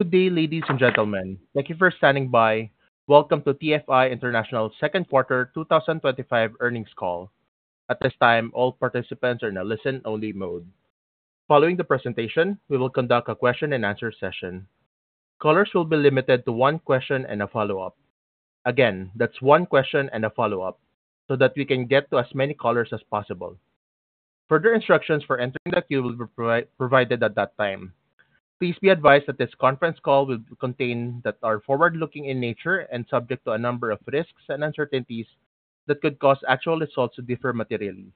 Good day, ladies and gentlemen. Thank you for standing by. Welcome to TFI International Second Quarter 2025 Earnings Call. At this time, all participants are in a listen-only mode. Following the presentation, we will conduct a question and answer session. Callers will be limited to one question and a follow-up. Again, that's one question and a follow-up so that we can get to as many callers as possible. Further instructions for entering the queue will be provided at that time. Please be advised that this conference call will contain statements that are forward-looking in nature and subject to a number of risks and uncertainties that could cause actual results to differ materially.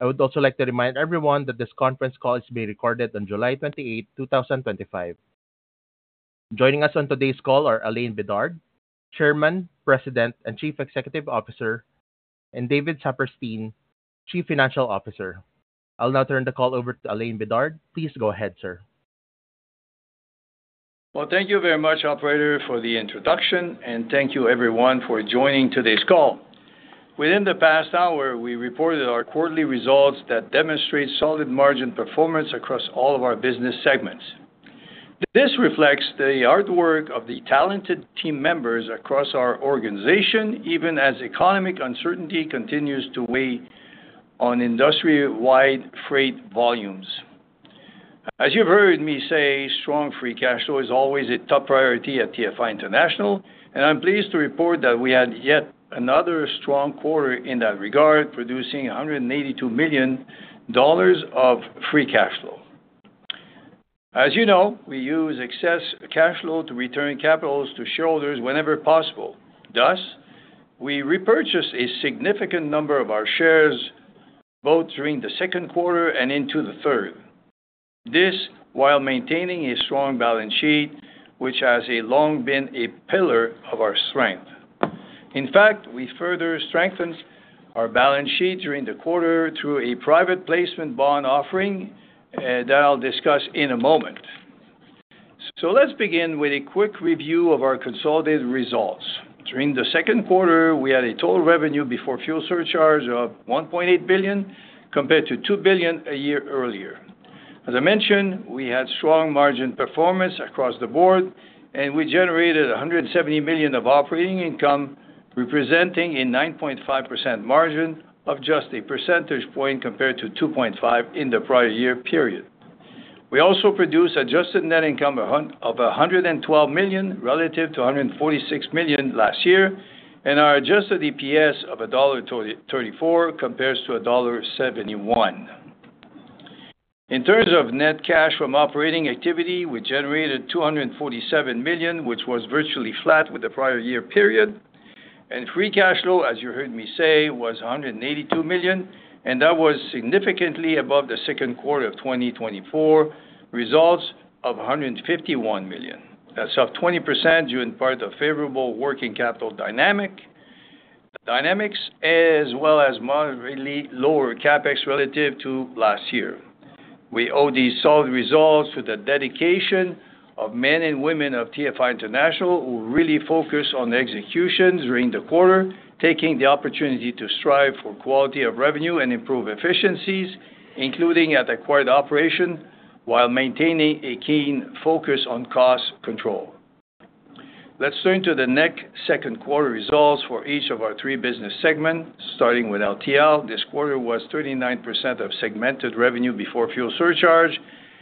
I would also like to remind everyone that this conference call is being recorded on July 28, 2025. Joining us on today's call are Alain Bédard, Chairman, President and Chief Executive Officer, and David Saperstein, Chief Financial Officer. I'll now turn the call over to Alain Bédard. Please go ahead, sir. Thank you very much, operator, for the introduction and thank you everyone for joining today's call. Within the past hour, we reported our quarterly results that demonstrate solid margin performance across all of our business segments. This reflects the hard work of the talented team members across our organization even as economic uncertainty continues to weigh on industry-wide freight volumes. As you've heard me say, strong free cash flow is always a top priority at TFI International. I'm pleased to report that we had yet another strong quarter in that regard, producing $182 million of free cash flow. As you know, we use excess cash flow to return capital to shareholders whenever possible. Thus, we repurchased a significant number of our shares both during the second quarter and into the third, while maintaining a strong balance sheet which has long been a pillar of our strength. In fact, we further strengthened our balance sheet during the quarter through a private placement bond offering that I'll discuss in a moment. Let's begin with a quick review of our consolidated results. During the second quarter, we had total revenue before fuel surcharge of $1.8 billion compared to $2 billion a year earlier. As I mentioned, we had strong margin performance across the board and we generated $170 million of operating income, representing a 9.5% margin, off just a percentage point compared to 2.5% in the prior year period. We also produced adjusted net income of $112 million relative to $146 million last year and our adjusted EPS of $1.34 compared to $1.71. In terms of net cash from operating activity, we generated $247 million which was virtually flat with the prior year period, and free cash flow, as you heard me say, was $182 million and that was significantly above the second quarter of 2023 results of $151 million. That's up 20% due in part to favorable working capital dynamics as well as moderately lower CapEx relative to last year. We owe these solid results to the dedication of the men and women of TFI International who really focus on execution during the quarter and taking the opportunity to strive for quality of revenue and improve efficiencies, including at acquired operations, while maintaining a keen focus on cost control. Let's turn to the next second quarter results for each of our three business segments. Starting with LTL, this quarter was 39% of segmented revenue before fuel surcharge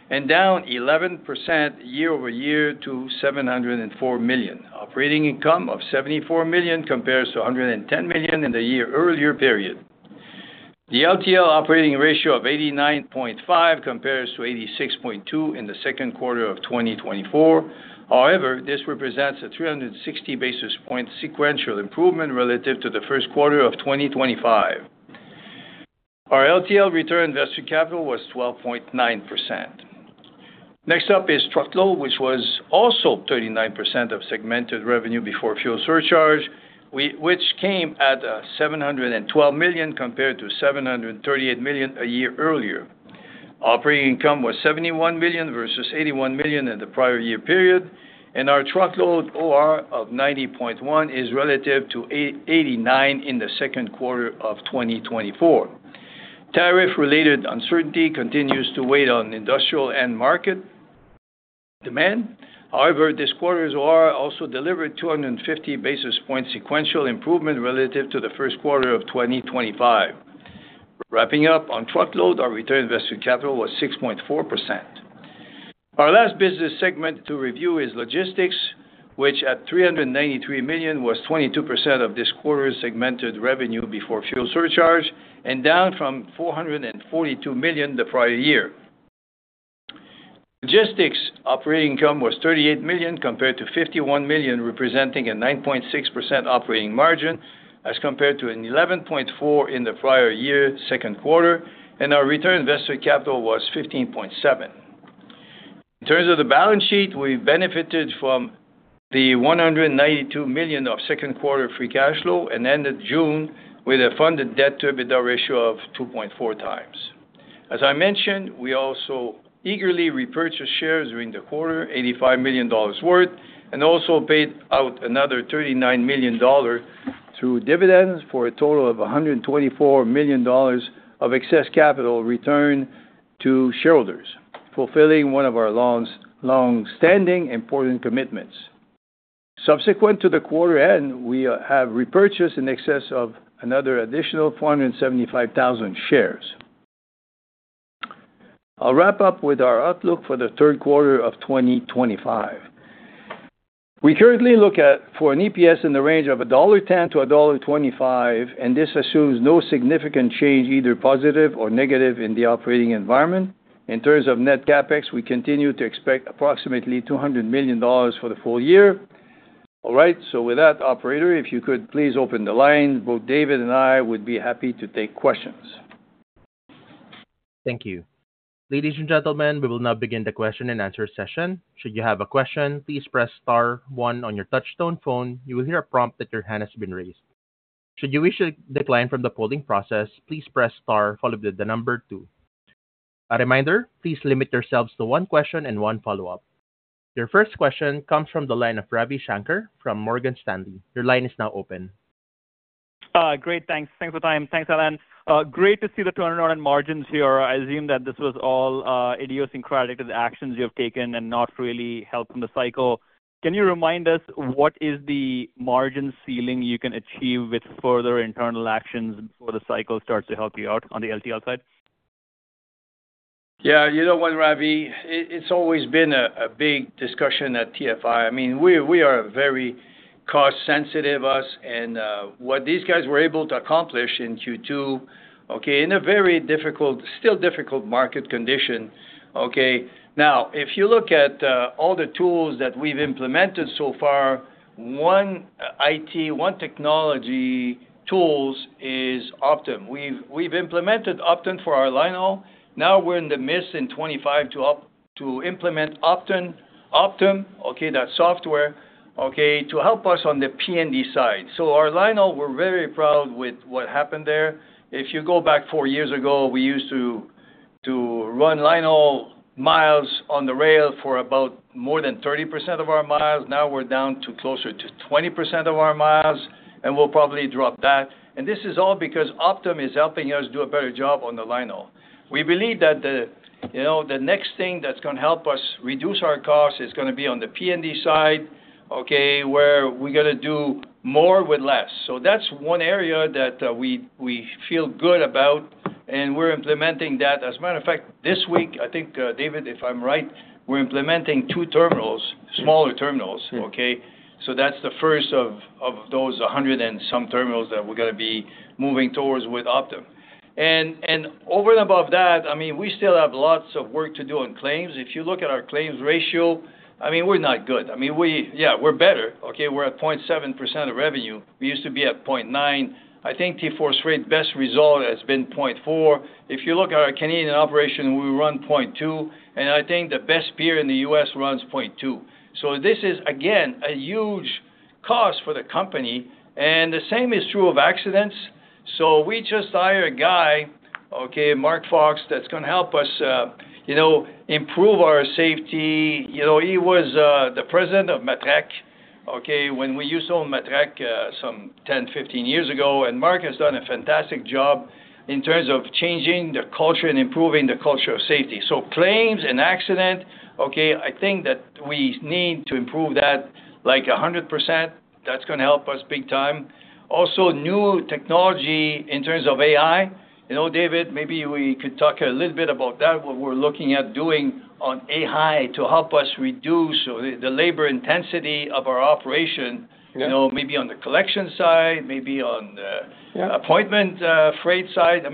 and down 11% year-over year to $704 million. Operating income of $74 million compares to $110 million in the year earlier period. The LTL Operating Ratio of 89.5 compares to 86.2 in the second quarter of 2024. However, this represents a 360 basis point sequential improvement relative to the first quarter of 2025. Our LTL return on invested capital was 12.9%. Next up is Truckload, which was also 39% of segmented revenue before fuel surcharge, which came at $712 million compared to $738 million a year earlier. Operating income was $71 million versus $81 million in the prior year period, and our truckload Operating Ratio of 90.1% is relative to 89% in the second quarter of 2024. Tariff-related uncertainty continues to weigh on industrial end market demand. However, this quarter's also delivered 250 basis points sequential improvement relative to the first quarter of 2025. Wrapping up on Truckload, our return on invested capital was 6.4%. Our last business segment to review is Logistics, which at $393 million was 22% of this quarter's segmented revenue before fuel surcharge and down from $442 million the prior year. Logistics operating income was $38 million compared to $51 million, representing a 9.6% operating margin as compared to an 11.4% in the prior year second quarter, and our return on invested capital was 15.7%. In terms of the balance sheet, we benefited from the $192 million of second quarter free cash flow and ended June with a funded debt-to-EBITDA ratio of 2.4x. As I mentioned, we also eagerly repurchased shares during the quarter, $85 million worth, and also paid out another $39 million through dividends for a total of $124 million of excess capital returned to shareholders, fulfilling one of our long-standing important commitments. Subsequent to the quarter end, we have repurchased in excess of another additional 475,000 shares. I'll wrap up with our outlook for the third quarter of 2025. We currently look for an EPS in the range of $1.10 to $1.25, and this assumes no significant change, either positive or negative, in the operating environment. In terms of net CapEx, we continue to expect approximately $200 million for the full year. All right, with that, operator, if you could please open the line, both David and I would be happy to take questions. Thank you, ladies and gentlemen. We will now begin the question and answer session. Should you have a question, please press star one on your touch-tone phone, you will hear a prompt that your hand has been raised. Should you wish to decline from the polling process, please press star followed with the number two. A reminder, please limit yourselves to one question and one follow-up. Your first question comes from the line of Ravi Shankar from Morgan Stanley. Your line is now open. Great, thanks. Thanks for your time. Thanks, Alain. Great to see the turnaround and margins here. I assume that this was all idiosyncratic to the actions you have taken and not really helped in the cycle. Can you remind us what is the margin ceiling you can achieve with further internal actions before the cycle starts to help you out on the LTL side? Yeah, you know what, Ravi? It's always been a big discussion at TFI. I mean, we are very cost sensitive, us, and what these guys were able to accomplish in Q2, in a very difficult, still difficult market condition. Now, if you look at all the tools that we've implemented so far, one IT technology tool is Optum. We've implemented Optum for our linehaul. Now we're in the midst, in 2025, to implement Optum, that software, to help us on the P&D side. So our linehaul, we're very proud with what happened there. If you go back four years ago, we used to run linehaul miles on the rail for about more than 30% of our miles. Now we're down to closer to 20% of our miles, and we'll probably drop that. This is all because Optum is helping us do a better job on the linehaul. We believe that the next thing that's going to help us reduce our costs is going to be on the P&D side, where we're going to do more with less. That's one area that we feel good about, and we're implementing that, as a matter of fact, this week. I think, David, if I'm right, we're implementing two terminals, smaller terminals. That's the first of those 100 and some terminals that we're going to be moving towards with Optum. Over and above that, we still have lots of work to do on claims. If you look at our claims ratio, we're not good. We're better. We're at 0.7% of revenue. We used to be at 0.9%. I think TFI's straight best result has been 0.4%. If you look at our Canadian operation, we run 0.2%, and I think the best peer in the U.S. runs 0.2%. This is again a huge cost for the company. The same is true of accidents. We just hired a guy, Mark Fox, that's going to help us improve our safety. He was the President of Matrec when we used to own Matrec some 10, 15 years ago. Mark has done a fantastic job in terms of changing the culture and improving the culture of safety. Claims and accidents, I think that we need to improve that like 100%. That's going to help us big time. Also, new technology in terms of AI. David, maybe we could talk a little bit about that, what we're looking at doing on AI to help us reduce the labor intensity of our operation. Maybe on the collection side, maybe on appointment freight side,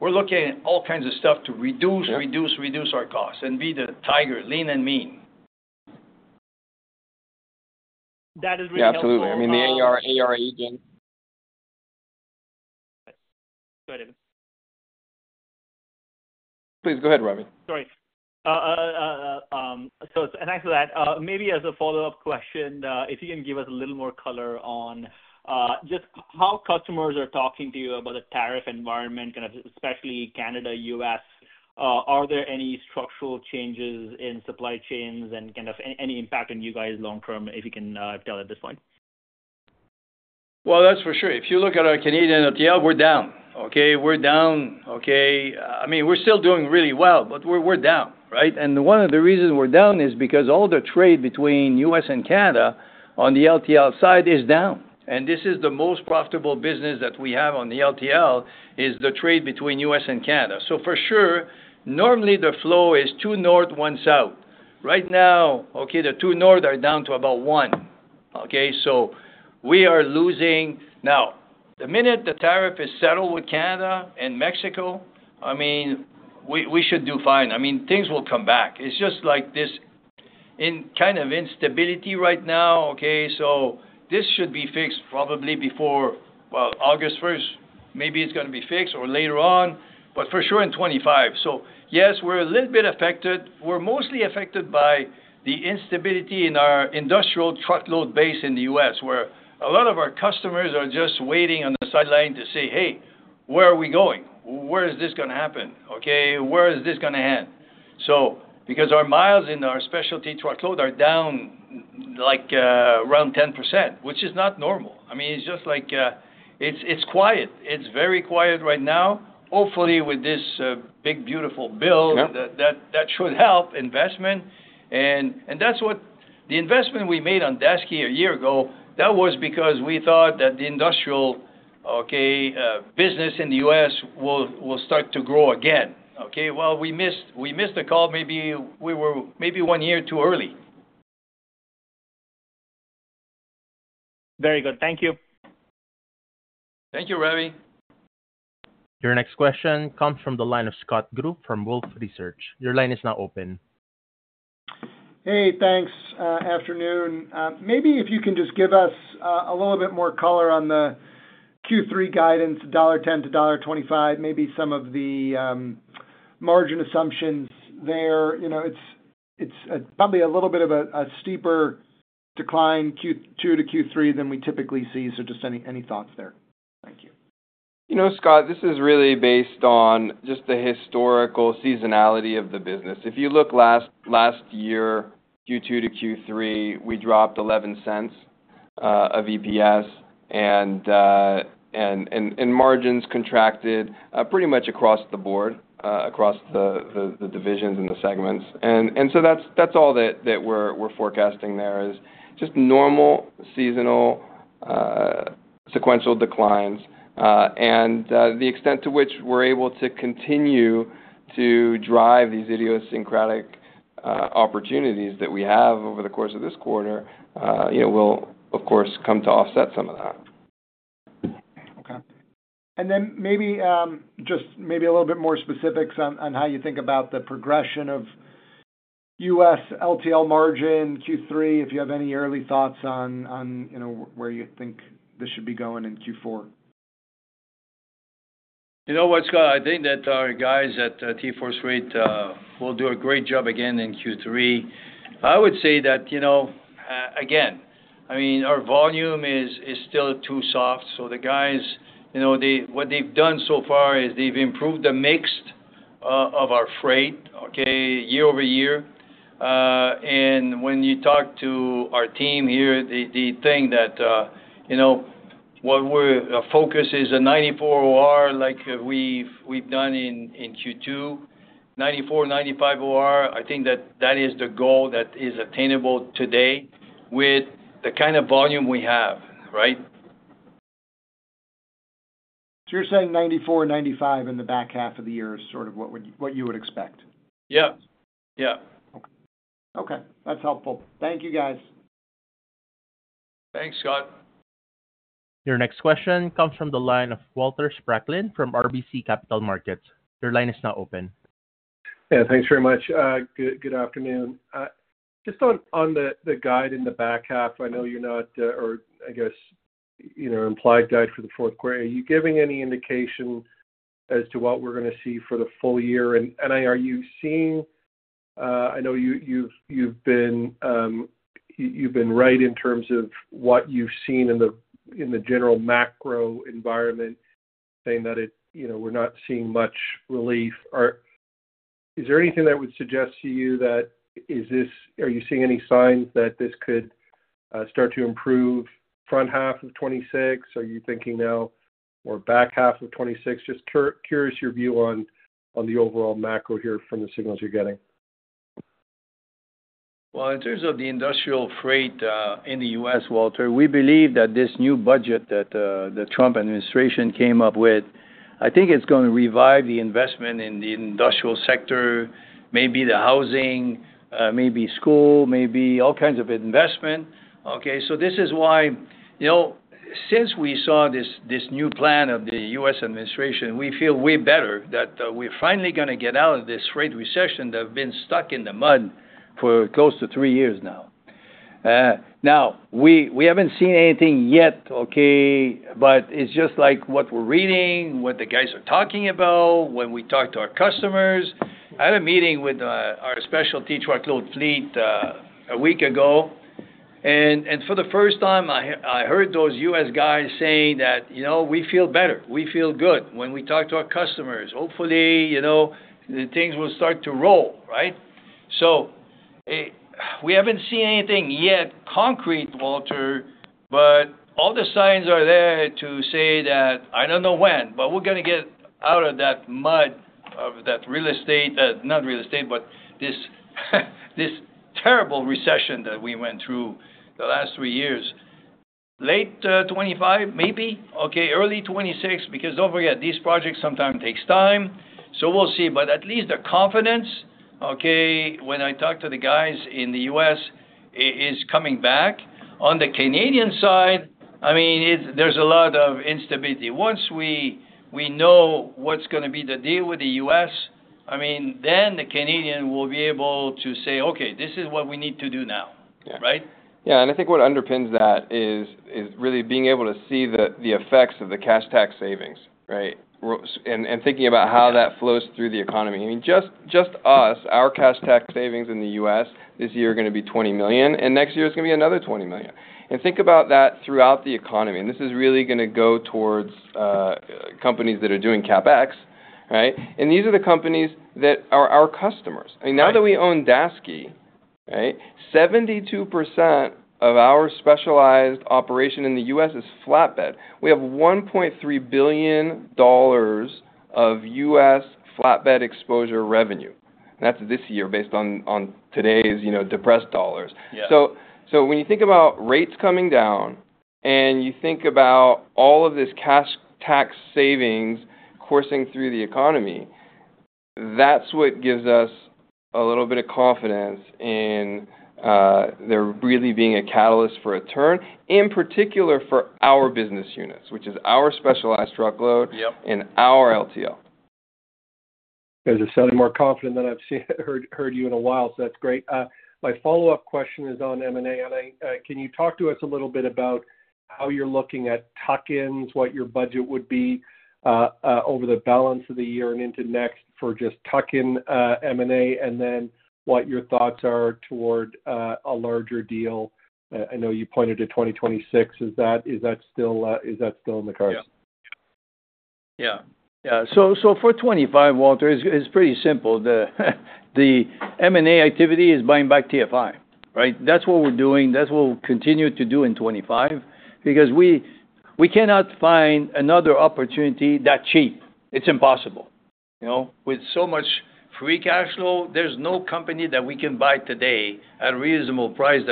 we're looking at all kinds of stuff to reduce, reduce, reduce our costs and be the top tiger, lean and mean. That is really helpful. Absolutely. Please go ahead. Thank you for that. Maybe as a follow-up question, if you can give us a little more color on just how customers are talking to you about the tariff environment, especially Canada, U.S. Are there any structural changes in supply chains and any impact on you guys long-term, if you can tell at this point? Well, that's for sure. If you look at our Canadian LTL, we're down. We're down. I mean, we're still doing really well, but we're down. One of the reasons we're down is because all the trade between the U.S. and Canada on the LTL side is down. This is the most profitable business that we have on the LTL, the trade between the U.S. and Canada. Normally the flow is two north, one south. Right now, the two north are down to about one. We are losing. The minute the tariff is settled with Canada and Mexico, we should do fine. Things will come back. It's just this kind of instability right now. This should be fixed probably before, well, August 1st. Maybe it's going to be fixed or later on, but for sure in 2025. Yes, we're a little bit affected. We're mostly affected by the instability in our industrial truckload base in the U.S. where a lot of our customers are just waiting on the sideline to say, hey, where are we going? Where is this going to happen? Where is this going to end? Our miles in our Specialty Truckload are down like around 10%, which is not normal. It's just like, it's quiet. It's very quiet right now. Hopefully with this big beautiful bill, that should help investment. That's what the investment we made on Daseke a year ago was for, because we thought that the industrial business in the U.S. will start to grow again. We missed, we missed a call. Maybe we were maybe one year too early. Very good. Thank you. Thank you, Ravi. Your next question comes from the line of Scott Group from Wolfe Research. Your line is now open. Hey, thanks. Good afternoon. Maybe if you can just give us a little bit more color on the Q3 guidance $10 to $25, maybe some of the margin assumptions there. It's probably a little bit of a steeper decline Q2 to Q3 than we typically see. Just any thoughts there. Scott, this is really based on just the historical seasonality of the business. If you look last year, Q2 to Q3, we dropped $0.11 of EPS, and margins contracted pretty much across the board, across the divisions and the segments. That's all that we're forecasting. There is just normal seasonal sequential declines. The extent to which we're able to continue to drive these idiosyncratic opportunities that we have over the course of this quarter will of course come to offset some of that. Okay. Maybe just a little bit more specifics on how you think about the progression of U.S. LTL margin Q3. If you have any early thoughts on where you think this should be going in Q4. You know what, Scott? I think that our guys at TForce Freight will do a great job again in Q3. I would say that, you know, again, I mean, our volume is still too soft. The guys, you know, what they've done so far is they've improved the mix of our freight year-over-year. When you talk to our team here, they think that, you know, what we're focused is a 94% Operating Ratio like we've done in Q2, 94%-95% Operating Ratio I think that that is the goal that is attainable today with the kind of volume we have, right? You're saying 94%-95% in the back half of the year is sort of what you would expect? Yeah. Yeah. Okay, that's helpful. Thank you, guys. Thanks, Scott. Your next question comes from the line of Walter Spracklin from RBC Capital Markets. Your line is now open. Yeah, thanks very much. Good afternoon. Just on the guide in the back half, I know you're not, or I guess, you know, implied guide for the fourth quarter, are you giving any indication as to what we're going to see for the full year? Are you seeing, I know you've been right in terms of what you've seen in the general macro environment saying that it, you know, we're not seeing much relief. Is there anything that would suggest to you that, is this, are you seeing any signs that this could start to improve front half of 2026, are you thinking now or back half of 2026? Just curious your view on the overall macro here from the signals you're getting. In terms of the industrial freight in the U.S., Walter, we believe that this new budget that the Trump administration came up with, I think it's going to revive the investment in the industrial sector, maybe the housing, maybe school, maybe all kinds of investment. This is why, you know, since we saw this new plan of the U.S. administration, we feel way better that we're finally going to get out of this freight recession that has been stuck in the mud for close to three years now. We haven't seen anything yet. It's just like what we're reading, what the guys are talking. We talked to our customers. I had a meeting with our specialty truckload fleet a week ago, and for the first time I heard those U.S. guys saying that we feel better, we feel good when we talk to our customers. Hopefully things will start to roll, right? We haven't seen anything yet concrete, Walter, but all the signs are there to say that I don't know when, but we're going to get out of that mud, of that real estate, not real estate, but this terrible recession that we went through the last three years. Late 2025 maybe. Early 2026. Don't forget these projects sometimes take time. We'll see. At least the confidence, when I talk to the guys in the U.S., is coming back. On the Canadian side, there's a lot of instability. Once we know what's going to be the deal with the U.S., then the Canadian will be able to say, okay, this is what we need to do now, right? Yeah. I think what underpins that is really being able to see the effects of the cash tax savings. Right. Thinking about how that flows through the economy. Just us. Our cash tax savings in the U.S. this year are going to be $20 million and next year it's going to be another $20 million. Think about that throughout the economy. This is really going to go towards companies that are doing CapEx and these are the companies that are our customers. Now that we own Daseke, 72% of our specialized operation in the U.S. is flatbed. We have $1.3 billion of U.S. flatbed exposure revenue. That's this year based on today's depressed dollars. When you think about rates coming down and you think about all of this tax savings coursing through the economy, that's what gives us a little bit of confidence in there really being a catalyst for a turn in particular for our business units which is our specialized truckload and our LTL. Sounding more confident than I've heard you in a while. That's great. My follow-up question is on M&A. Can you talk to us a little bit about how you're looking at tuck-ins, what your budget would be over the balance of the year and into next for just tuck-in M&A, and then what your thoughts are toward a larger deal? I know you pointed to 2026. Is that still in the cards? Yeah, for 2025, Walter, it's pretty simple. The M&A activity is buying back TFI. Right. That's what we're doing. That's what we'll continue to do in 2025 because we cannot find another opportunity that cheap. It's impossible. You know, with so much free cash flow, there's no company that we can buy today at a reasonable price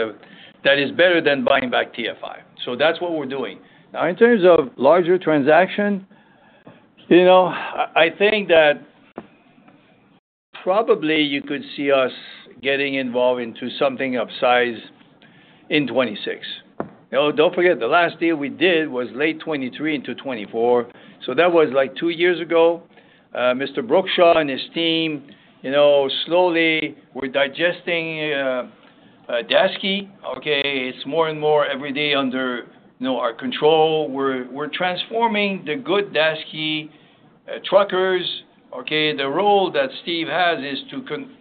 that is better than buying back TFI. That's what we're doing now in terms of a larger transaction. I think that probably you could see us getting involved into something of size in 2026. Oh, don't forget the last deal we did was late 2023 into 2024. That was like two years ago. Mr. Brookshaw and his team, you know, slowly we're digesting Daseke. It's more and more every day under our control, we're transforming the good Daseke truckers. The role that Steve has is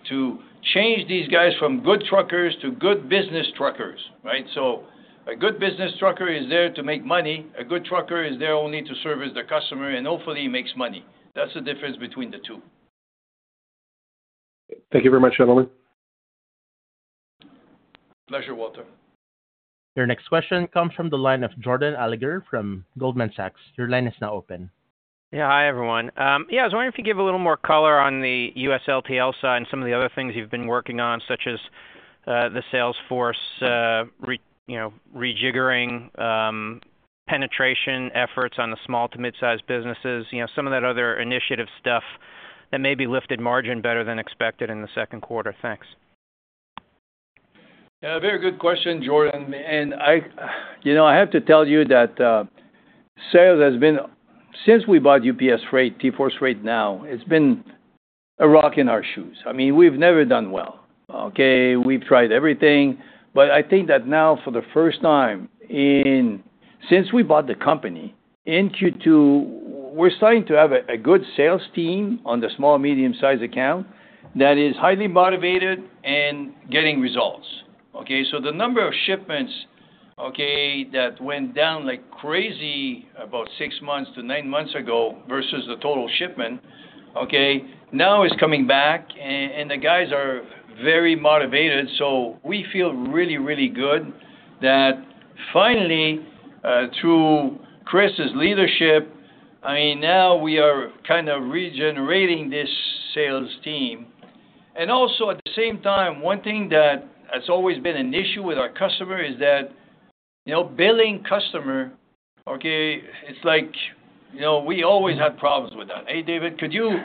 to change these guys from good truckers to good business truckers. Right? So a good business trucker is there to make money. A good trucker is there only to service the customer and hopefully he makes money. That's the difference between the two. Thank you very much, gentlemen. Pleasure, Walter. Your next question comes from the line of Jordan Alliger from Goldman Sachs. Your line is now open. Yeah. Hi everyone. Yeah, I was wondering if you could give a little more color on the U.S. LTL side and some of the other things you've been working on, such as the Salesforce rejiggering, penetration efforts on the small to midsize businesses, some of that other initiative stuff that maybe lifted margin better than expected in the second quarter. Thanks. Very good question, Jordan. I have to tell you that sales has been, since we bought UPS Freight, TForce Freight, it's been a rock in our shoes. We've never done well. We've tried everything. I think that now for the first time since we bought the company in Q2, we're starting to have a good sales team on the small, medium sized account that is highly motivated and getting results. The number of shipments that went down like crazy about six months to nine months ago versus the total shipment now is coming back and the guys are very motivated. We feel really, really good that finally through Chris' leadership, we are kind of regenerating this sales team. At the same time, one thing that has always been an issue with our customer is billing customer. We always have problems with that. Hey, David, could you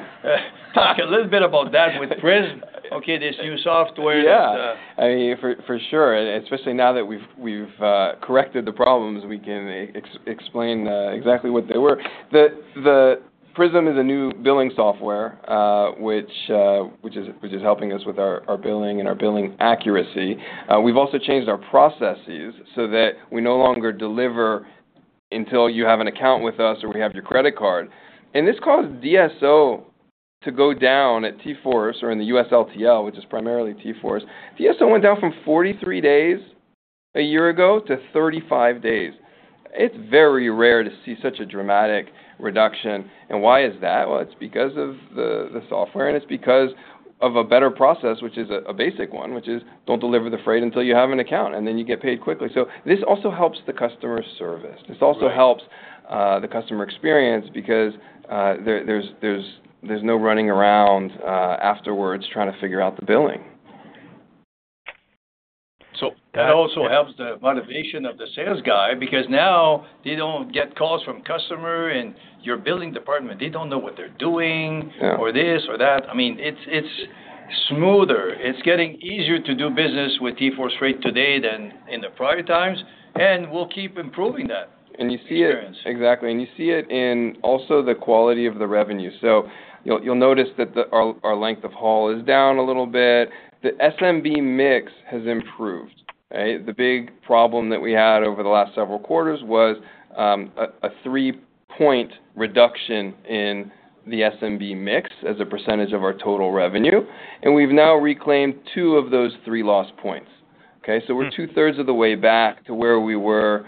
talk a little bit about that with Prism, this new software? Yeah, for sure. Especially now that we've corrected the problems. We can explain exactly what they were. The Prism is a new billing software which is helping us with our billing and our billing accuracy. We've also changed our processes so that we no longer deliver until you have an account with us or we have your credit card. This caused DSO to go down at TForce or in the U.S. LTL, which is primarily TForce. DSO went down from 43 days a year ago to 35 days. It's very rare to see such a dramatic reduction. It's because of the software and it's because of a better process, which is a basic one, which is don't deliver the freight until you have an account and then you get paid quickly. This also helps the customer service, this also helps the customer experience because there's no running around afterwards trying to figure out the billing. That also helps the motivation of the sales guy because now they don't get calls from customer and your billing department. They don't know what they're doing or this or that. I mean, it's smoother. It's getting easier to do business with TFI International today than in the prior times. We'll keep improving that experience. Exactly. You see it in also the quality of the revenue. You'll notice that our length of haul is down a little bit. The SMB mix has improved. The big problem that we had over the last several quarters was a 3% reduction in the SMB mix as a percentage of our total revenue. We've now reclaimed two of those three lost points. We're two-thirds of the way back to where we were,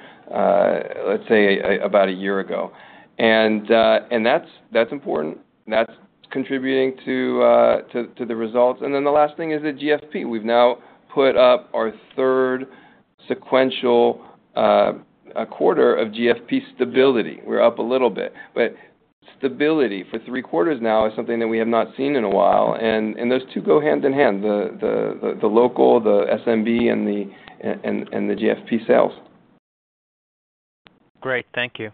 let's say about a year ago. That's important, that's contributing to the results. The last thing is the GFP. We've now put up our third sequential quarter of GFP stability. We're up a little bit, but stability for three quarters now is something that we have not seen in a while. Those two go hand in hand, the local, the SMB and the GFP sales. Great, thank you.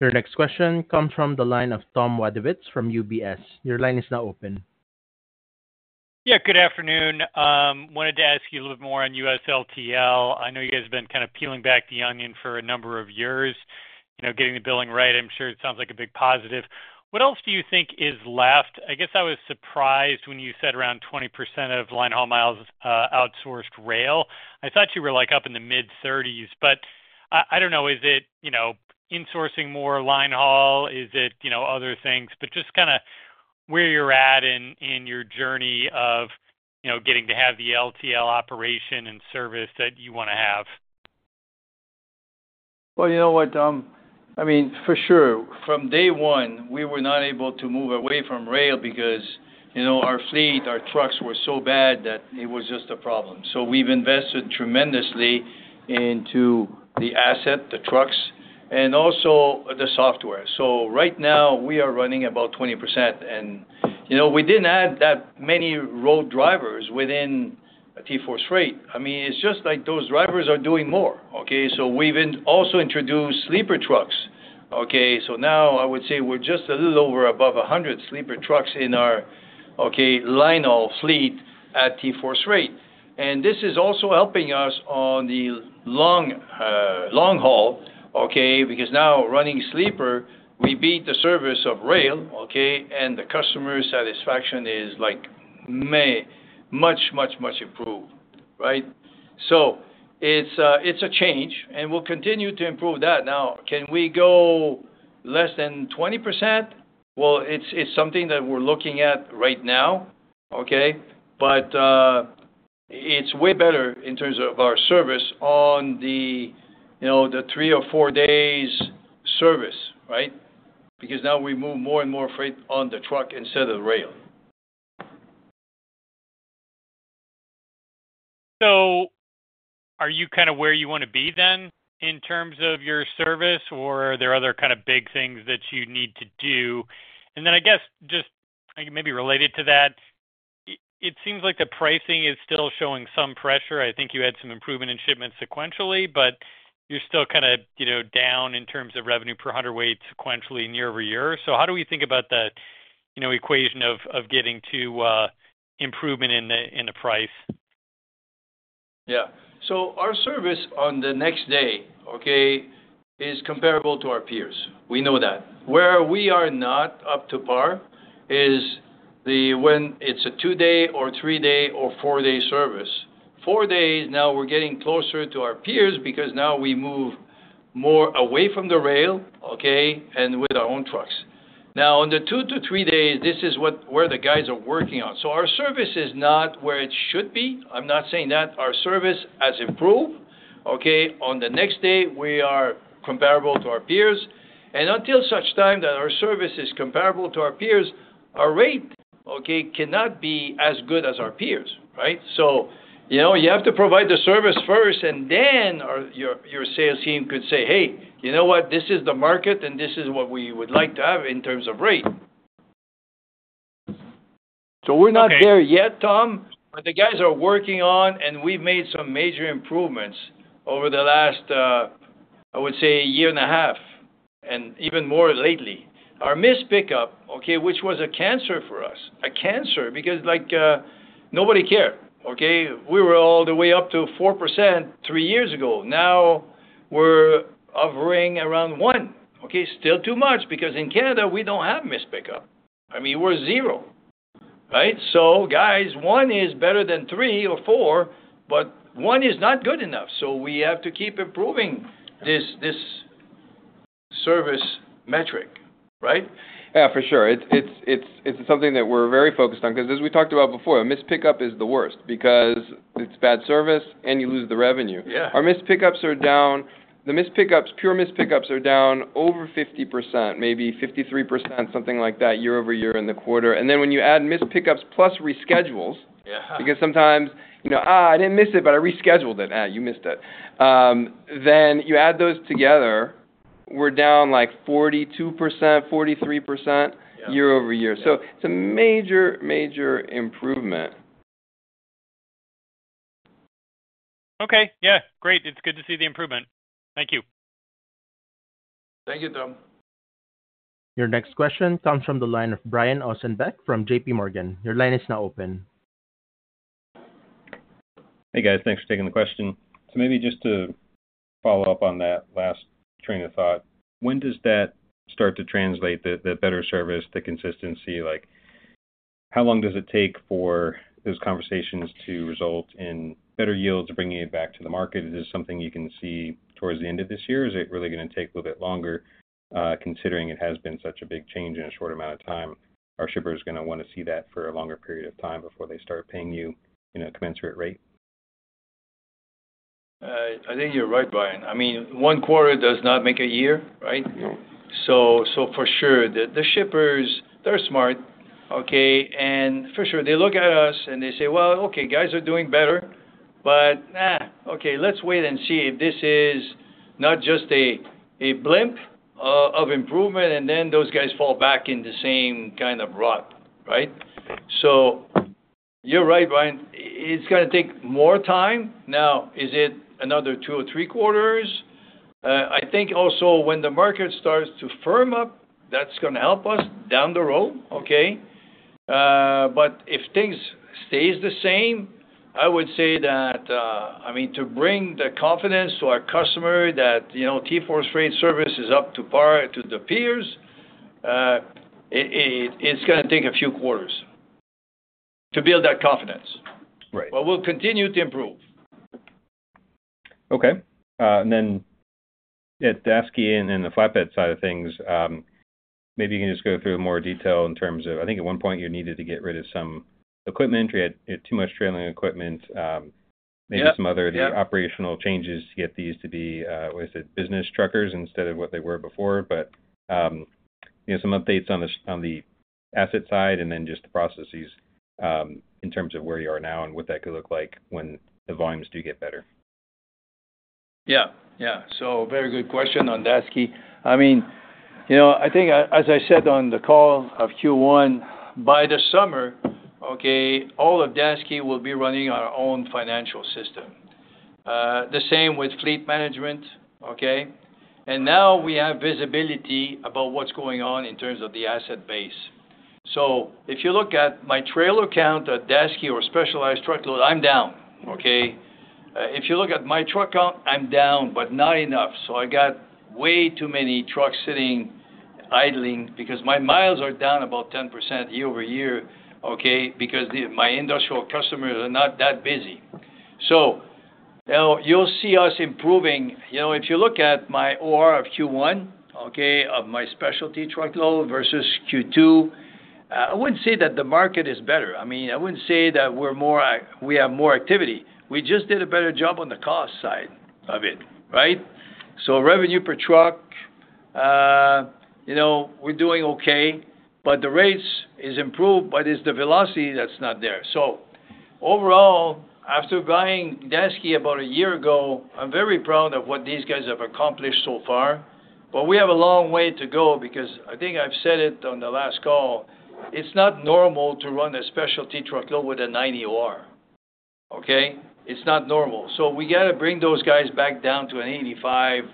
Your next question comes from the line of Tom Wadewitz from UBS. Your line is now open. Yeah. Good afternoon. Wanted to ask you a little bit more on U.S. LTL. I know you guys have been kind of peeling back the onion for a number of years, you know, getting the billing right. I'm sure it sounds like a big positive. What else do you think is left? I guess I was surprised when you said around 20% of linehaul miles outsourced rail. I thought you were like up in the mid-30s, but I don't know, is it insourcing more linehaul? Is it other things, just kind of where you're at in your journey of getting to have the LTL operation and service that you want to have. You know what I mean for sure. From day one, we were not able to move away from rail because our fleet, our trucks were so bad that it was just a problem. We have invested tremendously into the asset, the trucks, and also the software. Right now we are running about 20%. We didn't add that many road drivers within TForce Freight. It's just like those drivers are doing more. We have also introduced sleeper trucks. Now I would say we're just a little over above 100 sleeper trucks in our fleet at TForce Freight. This is also helping us on the long, long haul because now running sleeper, we beat the service of rail. The customer satisfaction is much, much, much improved. It's a change and we'll continue to improve that. Can we go less than 20%? It's something that we're looking at right now. It's way better in terms of our service on the three- or four-day service because now we move more and more freight on the truck instead of rail. Are you kind of where you want to be then in terms of your service, or are there other kind of big things that you need to do? I guess just maybe related to that, it seems like the pricing is still showing some pressure. I think you had some improvement in shipments sequentially, but you're still kind of down in terms of revenue per hundredweight sequentially and year-over-year. How do we think about that equation of getting to improvement in the price? Yeah. Our service on the next day is comparable to our peers. We know that where we are not up to par is when it's a two-day or three-day or four-day service. Four days, now we're getting closer to our peers because now we move more away from the rail, and with our own trucks now under two to three days, this is where the guys are working on. Our service is not where it should be. I'm not saying that our service has improved. On the next-day we are comparable to our peers. Until such time that our service is comparable to our peers, our rate cannot be as good as our peers. You have to provide the service first, and then your sales team could say, hey, you know what? This is the market and this is what we would like to have in terms of rate. We're not there yet, Tom, but the guys are working on it. We've made some major improvements over the last, I would say, year and a half and even more lately. Our missed pickup, which was a cancer for us, a cancer because like nobody cared, we were all the way up to 4% three years ago. Now we're offering around 1%. Still too much because in Canada, we don't have missed pickup. I mean, we're zero, right? One is better than three or four, but one is not good enough. We have to keep improving this service metric, right? Yeah, for sure. It's something that we're very focused on because as we talked about before, missed pickup is the worst because it's bad service and you lose the revenue. Our missed pickups are down. The missed pickups, pure missed pickups are down over 50%, maybe 53%, something like that, year-over-year in the quarter. When you add missed pickups plus reschedules, because sometimes, you know, I didn't miss it, but I rescheduled it. You missed it. You add those together, we're down like 42%, 43% year over year. A major, major improvement. Okay. Yeah, great. It's good to see the improvement. Thank you. Thank you, Tom. Your next question comes from the line of Brian Ossenbeck from JPMorgan. Your line is now open. Hey guys, thanks for taking the question. Maybe just to follow up on that last train of thought, when does that start to translate? The better service, the consistency, how long does it take for those conversations to result in better yields, bringing it back to the market? Is this something you can see towards the end of this year? Is it really going to take a little bit longer? Considering it has been such a big change in a short amount of time, are shippers going to want to? See that for a longer period. Time before they start paying you in a commensurate rate. I think you're right, Brian. I mean, one quarter does not make a year. For sure, the shippers, they're smart. For sure, they look at us and they say, "Okay, guys are doing better, but let's wait and see if this is not just a blip of improvement." Then those guys fall back in the same kind of rut. You're right, Brian. It's going to take more time. Now, is it another two or three quarters? I think also when the market starts to firm up, that's going to help us down the road. If things stay the same, I would say that to bring the confidence to our customer that TForce Freight Service is up to par to the peers, it's going to take a few quarters to build that confidence, but we'll continue to improve. Okay. At Daseke and the flatbed side of things, maybe you can just go through more detail in terms of, I think at one point you needed to get rid of some equipment, you had too much trailing equipment, maybe some other operational changes to get these to be with the business truckloaders instead of what they were before, some updates on the asset side and then just the processes in terms of where you are now and what that could look like when the volumes do get better. Yeah, yeah. Very good question on Daseke. I mean, you know, I think, as I said on the call of Q1, by the summer, all of Daseke will be running our own financial system. The same with fleet management. Now we have visibility about what's going on in terms of the asset base. If you look at my trailer count, Daseke, or specialized truckload, I'm down. If you look at my truck count, I'm down, but not enough. I got way too many trucks sitting idling because my miles are down about 10% year over year because my industrial customers are not that busy. You'll see us improving. If you look at my OR of Q1 of my specialty truckload versus Q2, I wouldn't say that the market is better. I wouldn't say that we have more activity. We just did a better job on the cost side of it. Revenue per truck, we're doing okay, but the rates have improved, but it's the velocity that's not there. Overall, after buying Daseke about a year ago, I'm very proud of what these guys have accomplished so far, but we have a long way to go because I think I've said it on the last call, it's not normal to run a Specialty Truckload with a 90% Operating Ratio. It's not normal. We got to bring those guys back down to an 85%,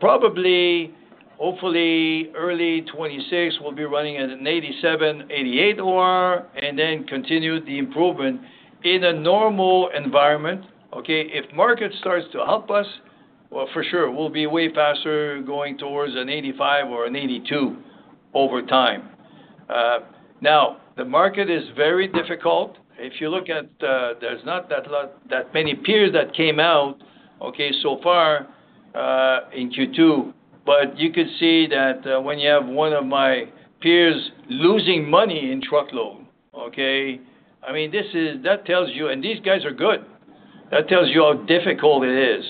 probably hopefully early 2026. We'll be running at an 87%-88% Operating Ratio and then continue the improvement in a normal environment. If market starts to help us, for sure we'll be way faster going towards an 85% Operating Ratio or an 82% over time. The market is very difficult. If you look at it, there's not that many peers that came out okay so far in Q2, but you could see that when you have one of my peers losing money in truckload, this is, that tells you, and these guys are good, that tells you how difficult it is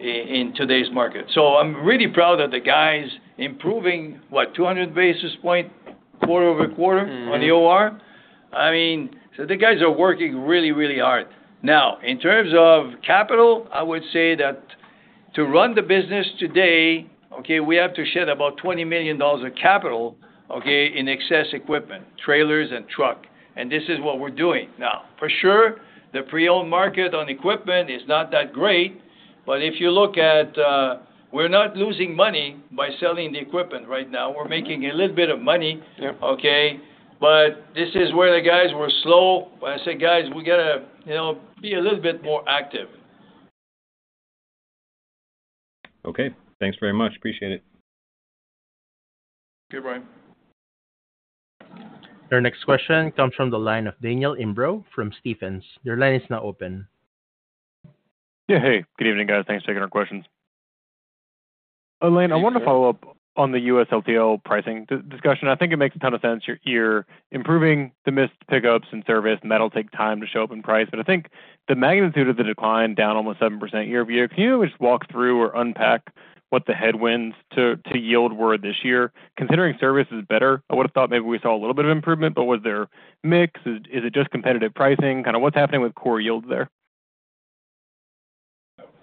in today's market. I'm really proud of the guys improving, what, 200 basis points quarter over quarter on the OR. The guys are working really, really hard now in terms of capital. I would say that to run the business today, we have to shed about $20 million of capital in excess equipment, trailers and truck. This is what we're doing now. For sure, the pre-owned market on equipment is not that great. If you look at it, we're not losing money by selling the equipment right now. We're making a little bit of money, but this is where the guys were slow. I said, guys, we gotta, you know, be a little bit more active. Okay. Thanks very much. Appreciate it. Okay, Brian. Our next question comes from the line of Daniel Imbro from Stephens. Your line is now open. Hey, good evening, guys. Thanks for taking our questions. Alain, I want to follow up on the U.S. LTL pricing discussion. I think it makes a ton of sense. You're improving the missed pickups and service, and that'll take time to show up in price. I think the magnitude of the decline down almost 7% year-over-year. Can you just walk through or unpack what the headwinds to yield were this year? Considering service is better, I would have thought maybe we saw a little bit of improvement. Was there mix? Is it just competitive pricing? Kind of what's happening with core yields there?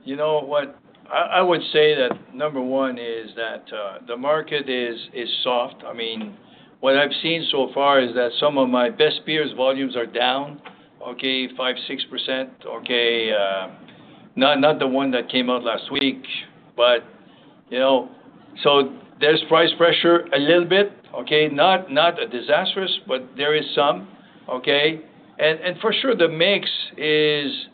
You know what? I would say that number one is that the market is soft. I mean, what I've seen so far is that some of my best peers, volumes are down 5%-6%. Okay. Not the one that came out last week, but, you know, there's price pressure a little bit. Okay, not disastrous, but there is some. For sure, the mix is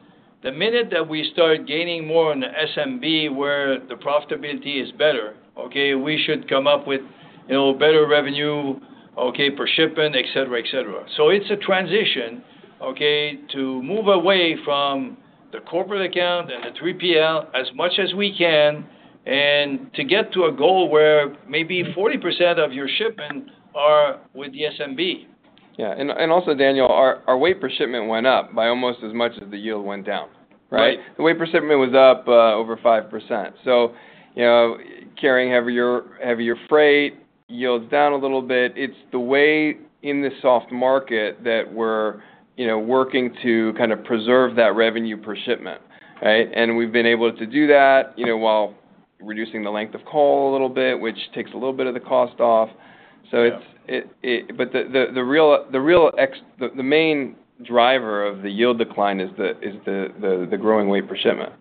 the minute that we start gaining more on the SMB, where the profitability is better, we should come up with better revenue per shipping, et cetera, et cetera. It's a transition to move away from the corporate account and the 3PL as much as we can and to get to a goal where maybe 40% of your shipment are with the SMB. Yeah. Also, Daniel, our weight per shipment went up by almost as much as the yield went down. Right. The weight per shipment was up over 5%. You know, carrying heavier freight yields down a little bit. It's the way in this soft market that we're working to kind of preserve that revenue per shipment. We've been able to do that while reducing the length of call a little bit, which takes a little bit of the cost off. The main driver of the yield decline is the growing weight per shipment.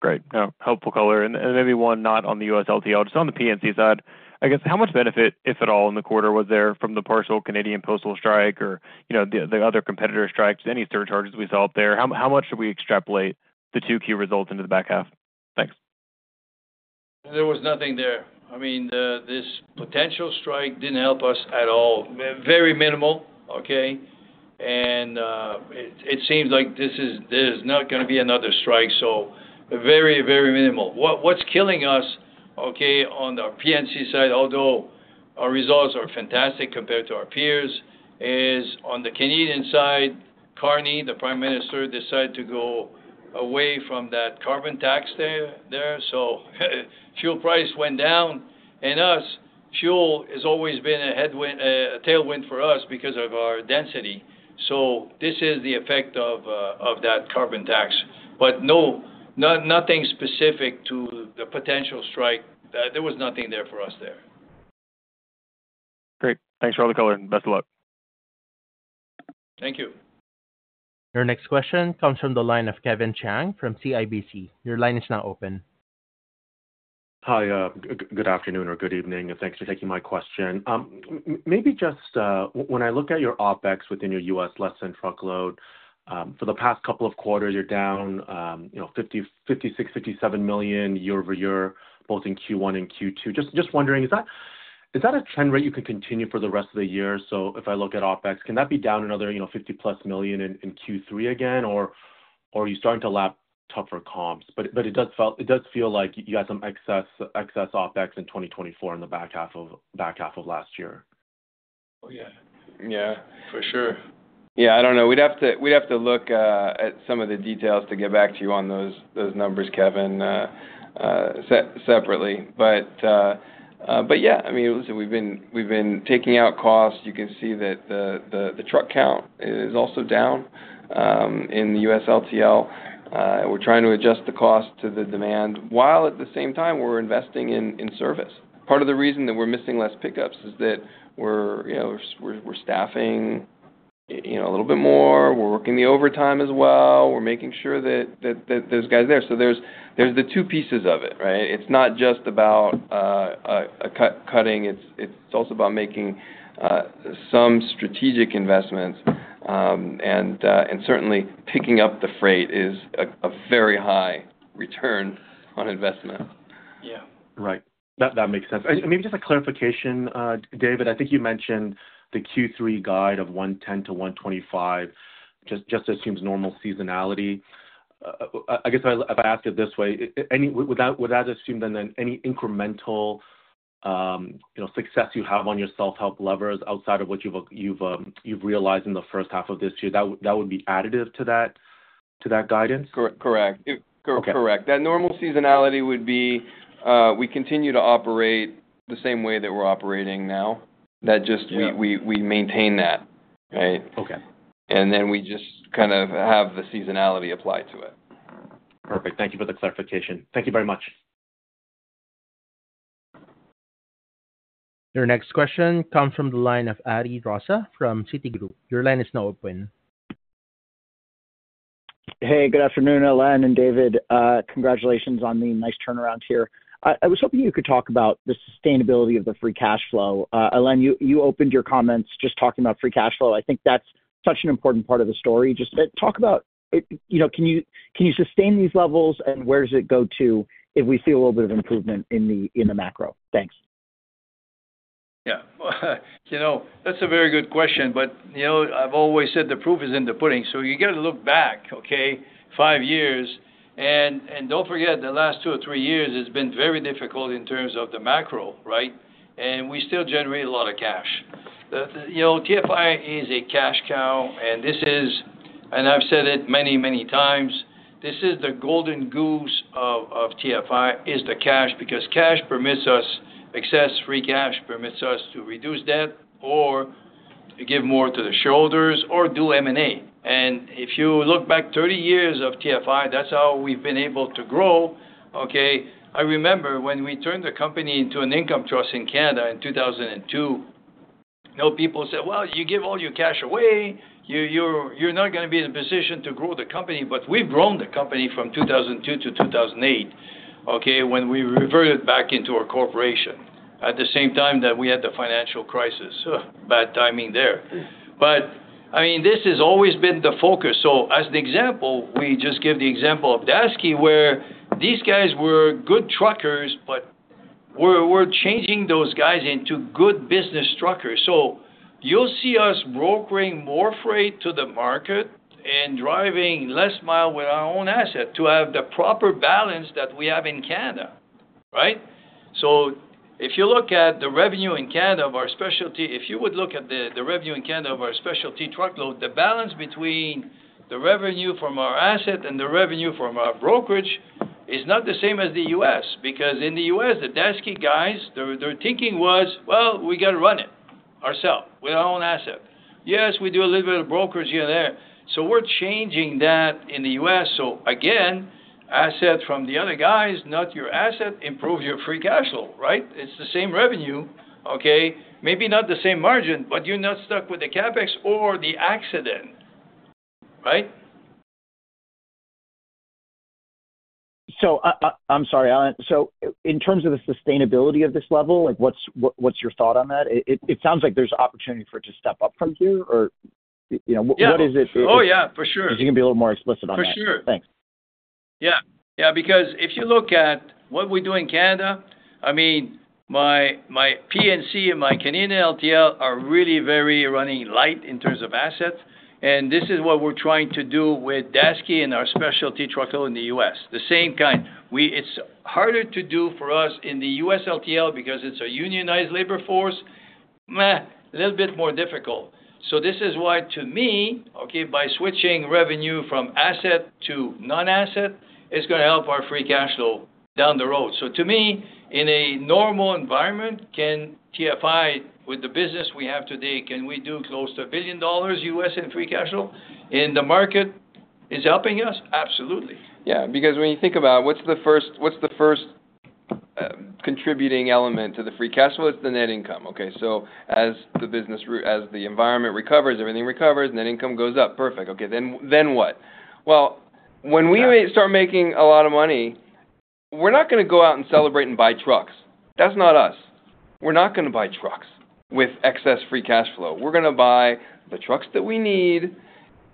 Great. Helpful color. Maybe one not on the U.S. LTL. On the P&D side, I guess how much benefit, if at all, in the quarter was there from the partial Canadian postal strike or the other competitor strikes? Any surcharges we saw up there, how much? Should we extrapolate the 2Q results into the back half? Thanks. There was nothing there. I mean, this potential strike didn't help us at all. Very minimal. Okay. It seems like there's not going to be another strike. Very, very minimal. What's killing us, on the P&D side, although our results are fantastic compared to our peers, is on the Canadian side, Carney, the Prime Minister, decided to go away from that carbon tax there. Fuel price went down, and U.S. fuel has always been a headwind, a tailwind for us because of our density. This is the effect of that carbon tax. Nothing specific to the potential strike. There was nothing there for us there. Great. Thanks for all the color and best of luck. Thank you. Your next question comes from the line of Kevin Chiang from CIBC. Your line is now open. Hi, good afternoon or good evening and thanks for taking my question. When I look at your OpEx within your U.S. Less-Than-Truckload for the past couple of quarters, you're down $56 million-$57 million year-over-year, both in Q1 and Q2. Just wondering, is that a trend where you could continue for the rest of the year? If I look at OpEx, can that be down another $50 million in Q3 again, or are you starting to lap tougher comps? It does feel like you got some excess OpEx in 2024 in the back half of last year. Yeah, for sure. Yeah. I don't know. We'd have to look at some of the details to get back to you on those numbers, Kevin, separately. Yeah, I mean, we've been taking out costs. You can see that the truck count is also down in the U.S. LTL. We're trying to adjust the cost to the demand while at the same time we're investing. Part of the reason that we're missing less pickups is that we're staffing a little bit more. We're working the overtime as well. We're making sure that those guys are there. There's the two pieces of it. It's not just about cutting, it's also about making some strategic investments. Certainly, picking up the freight is a very high return on investment. Yeah. Right, that makes sense. Maybe just a clarification. David, I think you mentioned the Q3 guide of $110 million to $125 million just assumes normal seasonality. I guess if I ask it this way, would that assume then any incremental success you have on your self help levers outside of what you've realized in the first half of this year, that would be additive to that guidance. Correct, correct. That normal seasonality would be, we continue to operate the same way that we're operating now. We maintain that. Right, okay. We just kind of have the seasonality applied to it. Perfect. Thank you for the clarification. Thank you very much. Your next question comes from the line of Ari Rosa from Citigroup. Your line is now open. Hey, good afternoon, Alain and David. Congratulations on the nice turnaround here. I was hoping you could talk about the sustainability of the free cash flow. Alain, you opened your comments just talking about free cash flow. I think that's such an important part of the story. Just talk about can you sustain these levels and where does it go to if we see a little bit of improvement in the macro. Thanks. Yeah, you know, that's a very good question. I've always said the proof is in the pudding. You got to look back, okay, five years. Don't forget the last two or three years. It's been very difficult in terms of the macro. Right. We still generate a lot of cash. You know, TFI is a cash cow. This is, and I've said it many, many times, this is the golden goose of TFI is the cash. Because cash permits us. Excess free cash permits us to reduce debt or give more to the shareholders or do M&A. If you look back 30 years of TFI, that's how we've been able to grow. I remember when we turned the company into an income trust in Canada in 2002. People said, you give all your cash away, you're not going to be in a position to grow the company. We've grown the company from 2002 to 2008. When we reverted back into our corporation at the same time that we had the financial crisis, bad timing there. I mean this has always been the focus. As an example, we just give the example of Daseke where these guys were good truckers, but we're changing those guys into good business truckers. You'll see us brokering more freight to the market and driving less mile with our own asset to have the proper balance that we have in Canada. If you look at the revenue in Canada of our specialty, if you would look at the revenue in Canada of our Specialty Truckload, the balance between the revenue from our asset and the revenue from our brokerage is not the same as the U.S. because in the U.S. the Daseke guys, their thinking was, we got to run it ourselves with our own asset. Yes, we do a little bit of brokerage here and there. We're changing that in the U.S. Asset from the other guys, not your asset, improve your free cash flow. Right. It's the same revenue. Okay, maybe not the same margin, but you're not stuck with the CapEx or the accident, right. I'm sorry, Alain. In terms of the sustainability of this level, what's your thought on that? It sounds like there's opportunity for it to step up from here or what is it? Oh yeah, for sure. You can be a little more explicit on that. Thanks. Yeah, yeah. Because if you look at what we do in Canada, I mean, my PNC and my Canadian LTL are really very running light in terms of assets. This is what we're trying to do with Daseke and our specialty truckload in the U.S., the same kind. It's harder to do for us in the U.S. LTL because it's a unionized labor force, a little bit more difficult. This is why to me, okay, by switching revenue from asset to non-asset, going to help our free cash flow down the road. To me, in a normal environment, can TFI with the business we have today, can we do close to $1 billion U.S. in free cash flow if the market is helping us? Absolutely. Yeah. Because when you think about what's the first contributing element to the free cash flow, it's the net income. Okay, so as the business, as the environment recovers, everything recovers. Net income goes up. Perfect. Okay, then what? When we start making a lot of money, we're not going to go out and celebrate and buy trucks. That's not us. We're not going to buy trucks with excess free cash flow. We're going to buy the trucks that we need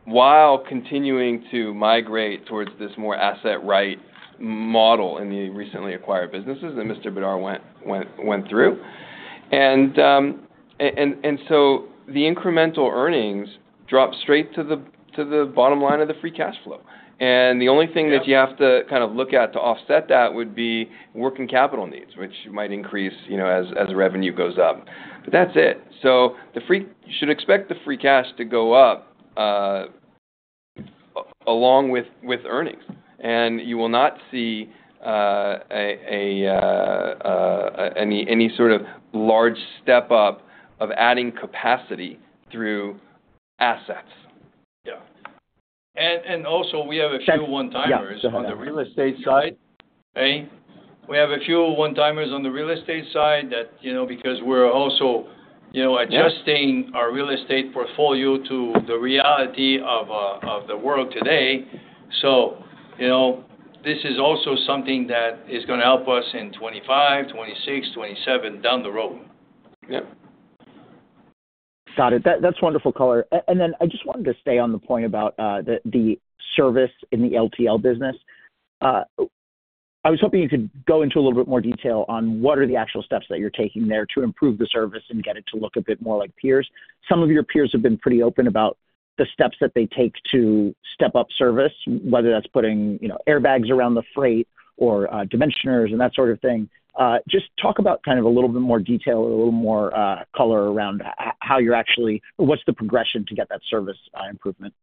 while continuing to migrate towards this more asset-light model in the recently acquired businesses that Mr. Bédard went through. The incremental earnings drop straight to the bottom line of the free cash flow. The only thing that you have to kind of look at to offset that would be working capital needs, which might increase as revenue goes up, but that's it. You should expect the free cash to go up along with earnings and you will not see any sort of large step up of adding capacity through assets. Yeah, we have a few one-timers on the real estate side. We have a few one-timers on the real estate side that, you know, because we're also adjusting our real estate portfolio to the reality of the world today. This is also something that is going to help us in 2025, 2026, 2027 down the road. Yep, got it. That's wonderful color. I just wanted to stay on the point about the service in the LTL business. I was hoping you could go into a little bit more detail on what are the actual steps that you're taking there to improve the service and get it to look a bit more like peers. Some of your peers have been pretty open about the steps that they take to step up service, whether that's putting airbags around the freight or dimensioners and that sort of thing. Just talk about a little bit more detail, a little more color around how you're actually. What's the progression to get that service improvement?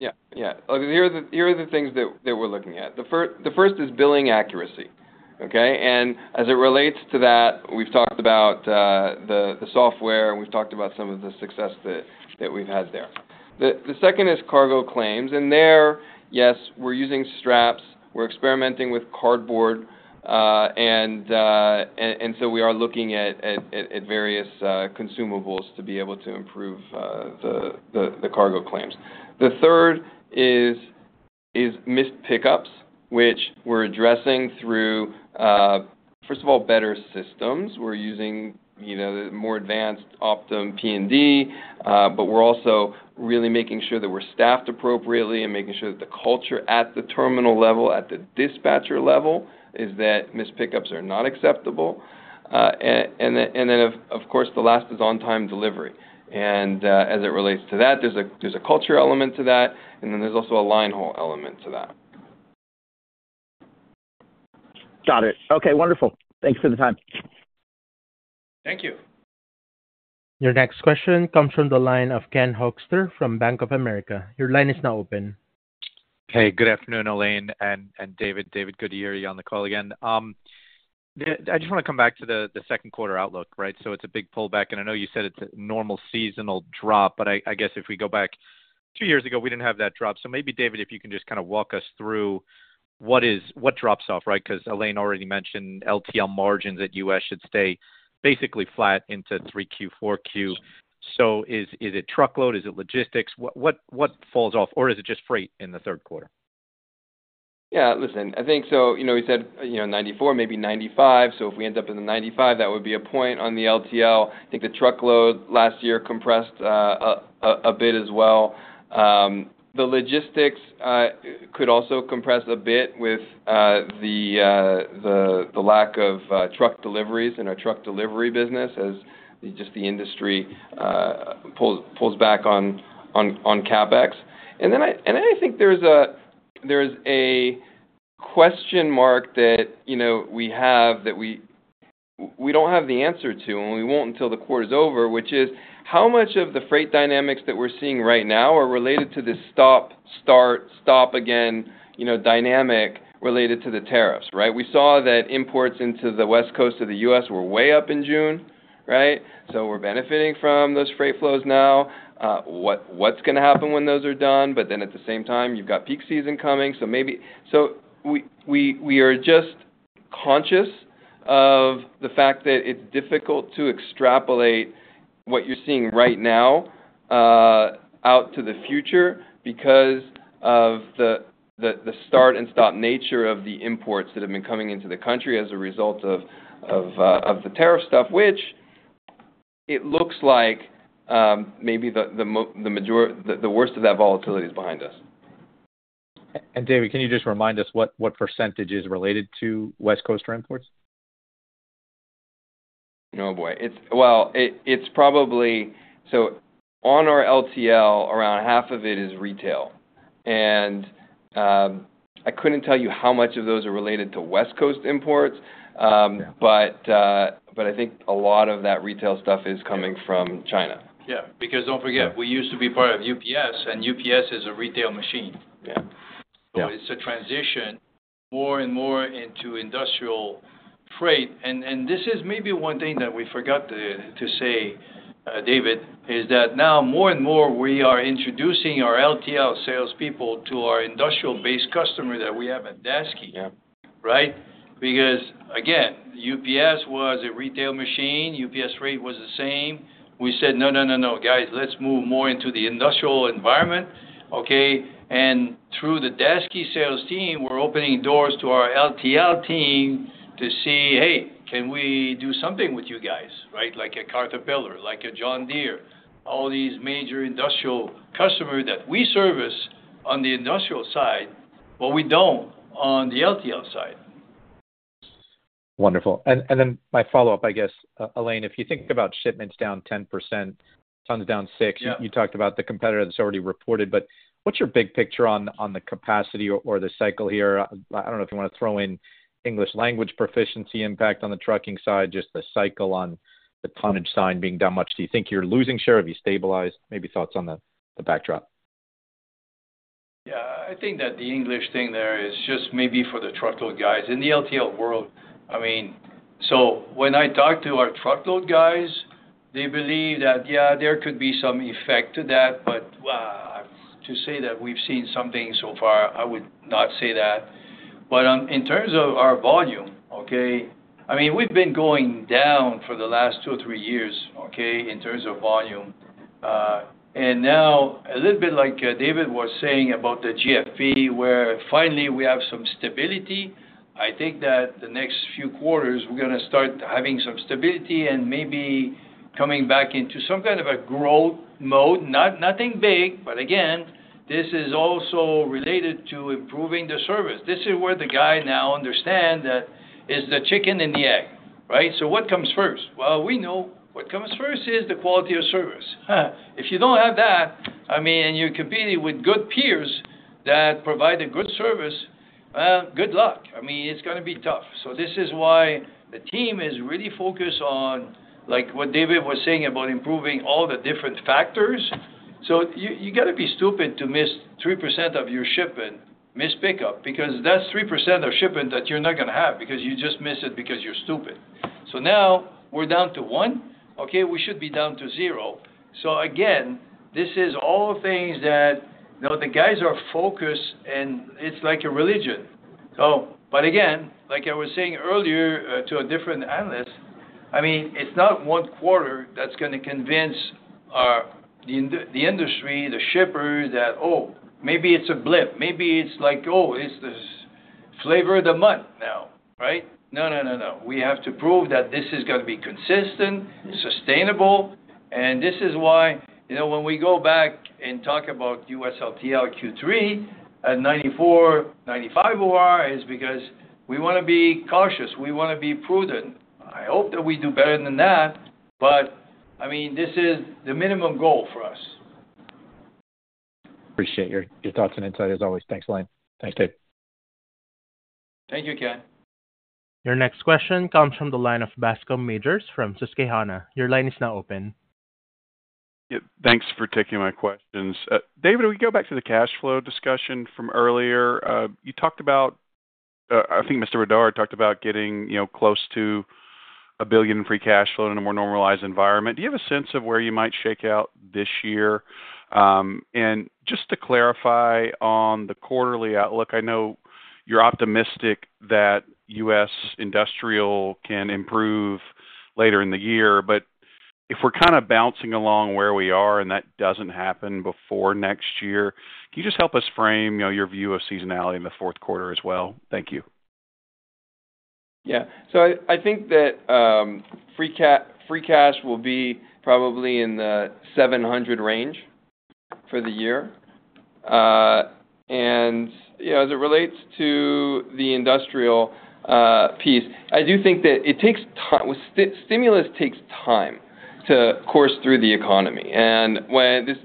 Yeah. Here are the things that we're looking at. The first is billing accuracy. Okay. As it relates to that, we've talked about the software and we've talked about some of the success that we've had there. The second is cargo claims. There, yes, we're using straps, we're experimenting with cardboard. We are looking at various consumables to be able to improve the cargo claims. The third is missed pickups, which we're addressing through, first of all, better systems. We're using more advanced Optum P&D, but we're also really making sure that we're staffed appropriately and making sure that the culture at the terminal level, at the dispatcher level, is that missed pickups are not acceptable. Of course, the last is on-time delivery. As it relates to that, there's a culture element to that and then there's also a linehaul element to that. Got it. Okay, wonderful. Thanks for the time. Thank you. Your next question comes from the line of Ken Hoexter from Bank of America. Your line is now open. Hey, good afternoon, Alain and David. David, good to hear you on the call again. I just want to come back to the second-quarter outlook. Right. It's a big pullback and I know you said it's a normal seasonal drop. If we go back two years ago we didn't have that drop. Maybe David, if you can just kind of walk us through what drops off. Right, because Alain already mentioned LTL margins at U.S. should stay basically flat into 3Q, 4Q. Is it truckload, is it logistics, what falls off? Is it just freight in the third quarter? Yeah, listen, I think so. You know, we said, you know, 94, maybe 95. If we end up in the 95, that would be a point on the LTL. I think the truckload last year compressed a bit as well. The Logistics could also compress a bit with the lack of truck deliveries in our truck delivery business as just the industry pulls back on CapEx. I think there's a question mark that we have that we don't have the answer to and we won't until the quarter's over, which is how much of the freight dynamics that we're seeing right now are related to this stop-start-stop-again, dynamic related to the tariffs. We saw that imports into the west coast of the US were way up in June. We're benefiting from those freight flows now. What's going to happen when those are done? At the same time, you've got peak season coming. We are just conscious of the fact that it's difficult to extrapolate what you're seeing right now out to the future because of the start-and-stop nature of the imports that have been coming into the country as a result of the tariff stuff, which it looks like maybe the worst of that volatility is behind us. David, can you just remind us what percentage is related to West Coast imports? Oh boy. It's probably so on our LTL, around half of it is retail. I couldn't tell you how much of those are related to West Coast imports, but I think a lot of that retail stuff is coming from China. Yeah, because don't forget we used to be part of UPS and UPS is a retail machine. It's a transition more and more into industrial freight. This is maybe one thing that we forgot to say, David, is that now more and more we are introducing our LTL salespeople to our industrial-based customer that we have at Daseke, right. Because again, UPS was a retail machine, UPS rate was the same. We said, no, no, no, no guys, let's move more into the industrial environment, okay? Through the Daseke sales team, we're opening doors to our LTL team to see, "Hey, can we do something with you guys, right?" Like a Caterpillar, like a John Deere. All these major industrial customers that we service on the industrial side, what we don't on the LTL side. Wonderful. My follow-up, I guess, Alain, if you think about shipments down 10%, tons down 6%, you talked about the competitor that's already reported. What's your big picture on the capacity or the cycle here? I don't know if you want to throw in English Language Proficiency impact on the trucking side, just the cycle. On the tonnage side being down much, do you think you're losing share? Have you stabilized? Maybe thoughts on the backdrop? Yeah, I think that the English thing there is just maybe for the Truckload guys in the LTL world. I mean, when I talk to our truckload guys, they believe that, yeah, there could be some effect to that. To say that we've seen something so far, I would not say that. In terms of our volume, we've been going down for the last two or three years in terms of volume. Now, a little bit like David was saying about the GFP, where finally we have seen some stability. I think that the next few quarters we're going to start having some stability and maybe coming back into some kind of a growth mode. Nothing big. This is also related to improving the service. This is where the guy now understands that it is the chicken and the egg, right? What comes first? We know what comes first is the quality of service. If you don't have that, and you're competing with good peers that provide a good service, good luck. It's going to be tough. This is why the team is really focused on, like what David was saying about improving all the different factors. You got to be stupid to miss 3% of your shipment missed pickup because that's 3% of shipping that you're not going to have because you just miss it because you're stupid. Now we're down to one. We should be down to zero. These are all things that the guys are focused on and it's like a religion. Like I was saying earlier to a different analyst, it's not one quarter that's going to convince the industry, the shippers that, oh, maybe it's a blip, maybe it's like, oh, it's the flavor of the month now, right? No, no, no, no. We have to prove that this is going to be consistent, sustainable. This is why, you know, when we go back and talk about U.S. LTL Q3 at 94%-95% Operating Ratio is because we want to be cautious, we want to be prudent. I hope that we do better than that. This is the minimum goal for us. Appreciate your thoughts and insight as always. Thanks, Alain. Thanks, David. Thank you, Ken. Your next question comes from the line of Bascome Majors from Susquehanna. Your line is now open. Thanks for taking my questions. David, we go back to the cash flow discussion from earlier. You talked about, I think Mr. Bédard talked about getting, you know, close to $1 billion in free cash flow in a more normalized environment. Do you have a sense of where you might shake out this year? Just to clarify on the quarterly outlook, I know you're optimistic that U.S. Industrial can improve later in the year. If we're kind of bouncing along where we are and that doesn't happen before next year, can you just help us frame your view of seasonality in the fourth quarter as well? Thank you. Yeah. I think that free cash will be probably in the $700 million range for the year. As it relates to the industrial piece, I do think that it takes time. Stimulus takes time to course through the economy and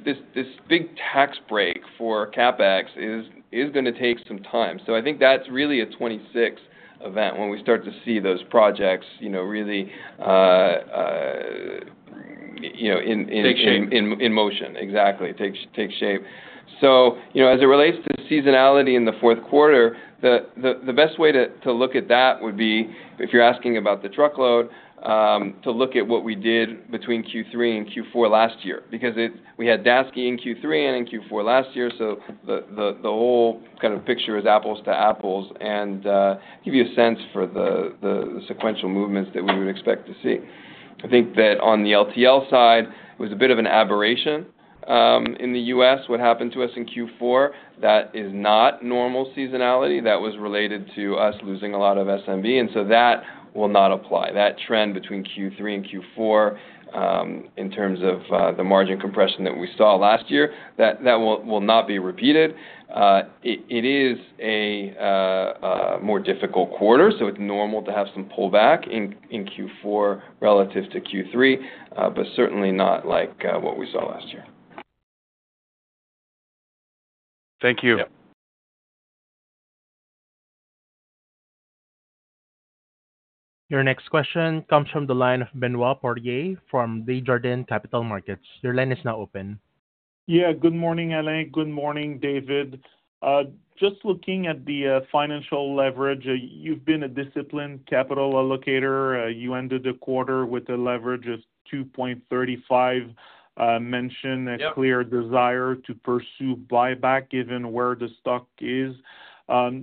this big tax break for CapEx is going to take some time. I think that's really a 2026 event when we start to see those projects really, you know, in motion. Exactly. Takes shape. As it relates to seasonality in the fourth quarter, the best way to look at that would be if you're asking about the truckload to look at what we did between Q3 and Q4 last year because we had Daseke in Q3 and in Q4 last year. The whole kind of picture is apples-to-apples and you get a sense for the sequential movements that we would expect to see. I think that on the LTL side, it was a bit of an aberration in the U.S. what happened to us in Q4. That is not normal seasonality. That was related to us losing a lot of SMB. That will not apply, that trend between Q3 and Q4 in terms of the margin compression that we saw last year, that will not be repeated. It is a more difficult quarter. It's normal to have some pullback in Q4 relative to Q3, but certainly not like what we saw last year. Thank you. Your next question comes from the line of Benoit Poirier from Desjardins Capital Markets. Your line is now open. Yeah. Good morning, Alain. Good morning, David. Just looking at the financial leverage, you've been a disciplined capital allocator. You ended the quarter with a leverage of 2.35x. Mention a clear desire to pursue buyback given where the stock is.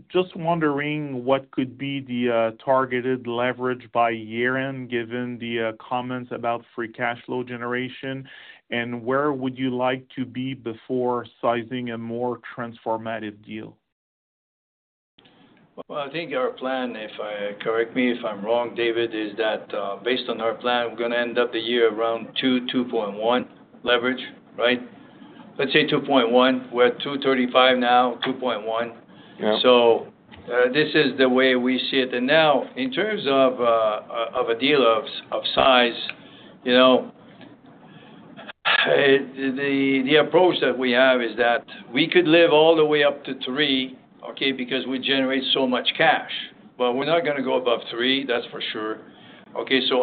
Just wondering what could be the targeted leverage by year end, given the comments about free cash flow generation and where would you like to be before sizing a more transformative deal? I think our plan, correct me if I'm wrong, David, is that based on our plan, we're going to end up the year around 2.0x-2.1x leverage, right? Let's say 2.1. We're at 2.35x now, 2.1x. This is the way we see it. Now in terms of a deal of size, the approach that we have is that we could live all the way up to 3.0x, because we generate so much cash, but we're not going to go above 3.0x, that's for sure.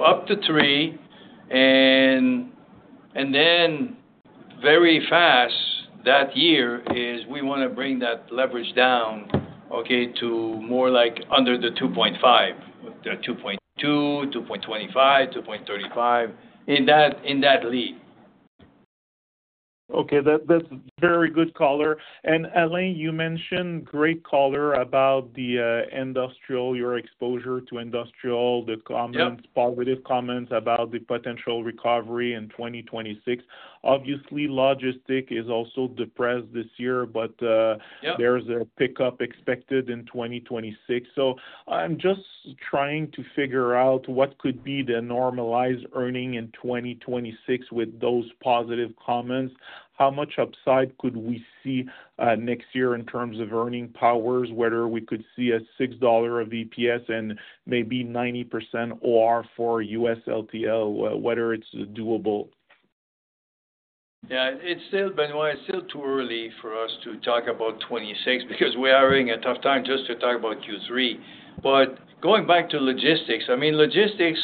Up to 3.0, and then very fast that year is we want to bring that leverage down to more like under the 2.5x, 2.2x, 2.25x, 2.35x in that lead. Okay, that's very good color. Alain, you mentioned great color about the industrial, your exposure to industrial. The comments, positive comments about the potential recovery in 2026. Obviously logistics is also depressed this year, but there's a pickup expected in 2026. I'm just trying to figure out what could be the normalized earning in 2026. With those positive comments, how much upside could we see next year in terms of earning powers? Whether we could see a $6 of EPS and maybe 90% Operating Ratio for U.S. LTL, whether it's doable. Yeah, it's still. Benoit, it's still too early for us to talk about 2026 because we are having a tough time just to talk about Q3. Going back to logistics, I mean, logistics,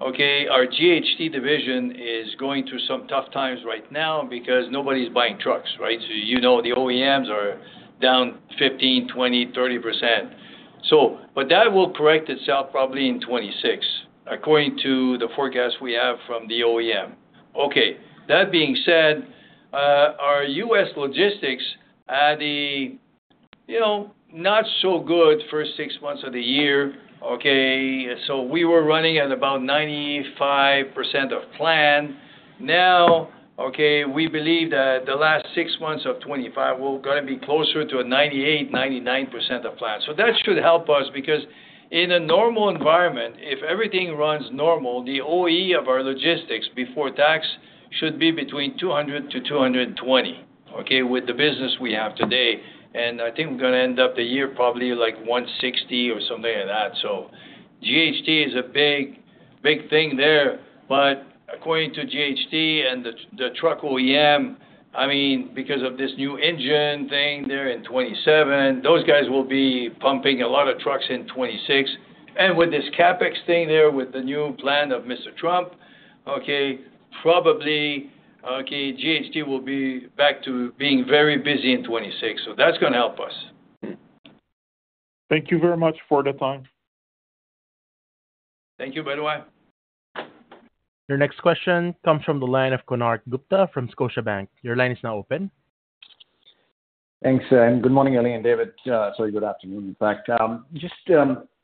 okay, our GHT division is going through some tough times right now because nobody's buying trucks, right. The OEMs are down 15%, 20%, 30%. That will correct itself probably in 2026 according to the forecast we have from the OEM. That being said, our U.S. logistics had a, you know, not so good first six months of the year. We were running at about 95% of plan now. We believe that the last six months of 2025 will going to be closer to a 98%, 99% of plan. That should help us because in a normal environment, if everything runs normal, the OE of our Logistics before tax should be between $200 million- $220 million. With the business we have today, and I think we're going to end up the year probably like $160 million or something like that. GHT is a big, big thing there. According to GHT and the truck OEM, because of this new engine thing there in 2027, those guys will be pumping a lot of trucks in 2026. With this CapEx thing there, with the new plan of Mr. Trump, probably, GHT will be back to being very busy in 2026. That's going to help us. Thank you very much for the time. Thank you. By the way, your next question comes from the line of Konark Gupta from Scotiabank. Your line is now open. Thanks. Good morning, Alain and David. Sorry, good afternoon. In fact, just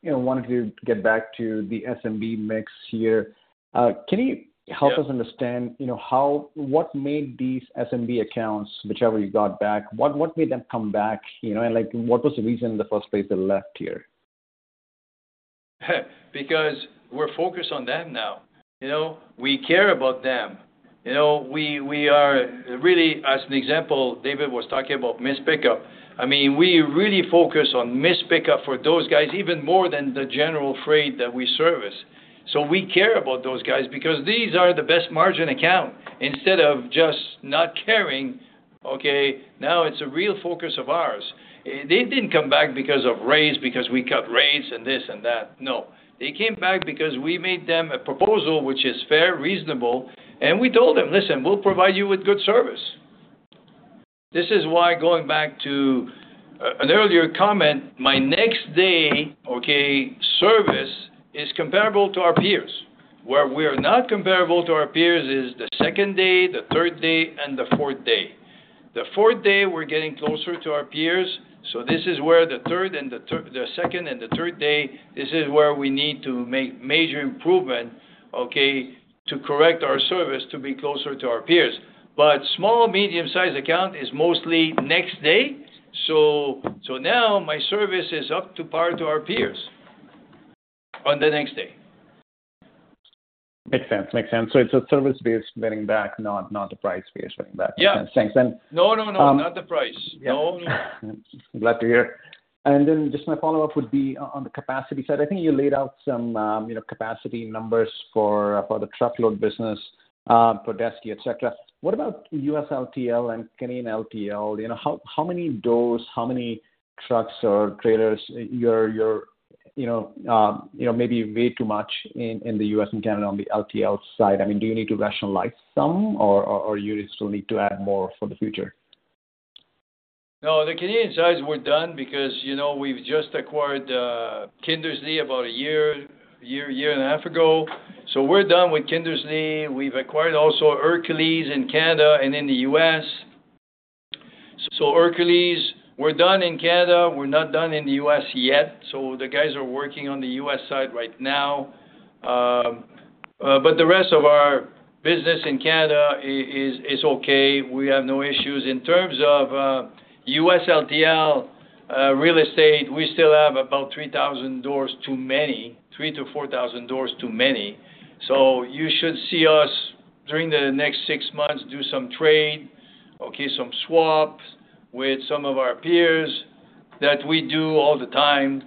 wanted to get back to the SMB mix here. Can you help us understand what made these SMB accounts, whichever you got back, what made them come back? What was the reason in the first place they left here? Because we're focused on them now. We care about them. As an example, David was talking about missed pickup. We really focus on missed pickup for those guys even more than the general freight that we service. We care about those guys because these are the best margin account instead of just not caring. Now it's a real focus of ours. They didn't come back because of rates, because we cut rates and this and that. No, they came back because we made them a proposal which is fair, reasonable, and we told them, "Listen, we'll provide you with good service." This is why, going back to an earlier comment, my next-day service is comparable to our peers. Where we are not comparable to our peers is the second day, the third day, and the fourth day. The fourth day we're getting closer to our peers. The third and the second and the third day, this is where we need to make major improvement to correct our service to be closer to our peers. Small and medium-sized account is mostly next day. Now my service is up to par to our peers on the next day. Makes sense. Makes sense. It's a service-based winning back, not the price-based. No, no, no. Not the price, no. Glad to hear. Just my follow up would be on the capacity side. I think you laid out some capacity numbers for the truckload business for Daseke, etc. What about U.S. LTL and Canadian LTL? How many doors, how many trucks or trailers? You're maybe way too much in the U.S. and Canada on the LTL side. Do you need to rationalize some or do you still need to add more for the future? No, the Canadian side, we're done. Because, you know, we've just acquired Kindersley about a year, year and a half ago. We're done with Kindersley. We've acquired also Hercules in Canada and in the U.S. Hercules, we're done in Canada, we're not done in the U.S. yet. The guys are working on the U.S. side right now. The rest of our business in Canada is okay. We have no issues in terms of U.S. LTL real estate. We still have about 3,000 doors too many, 3,000 to 4,000 doors too many. You should see us during the next six months do some trade, some swaps with some of our peers that we do all the time.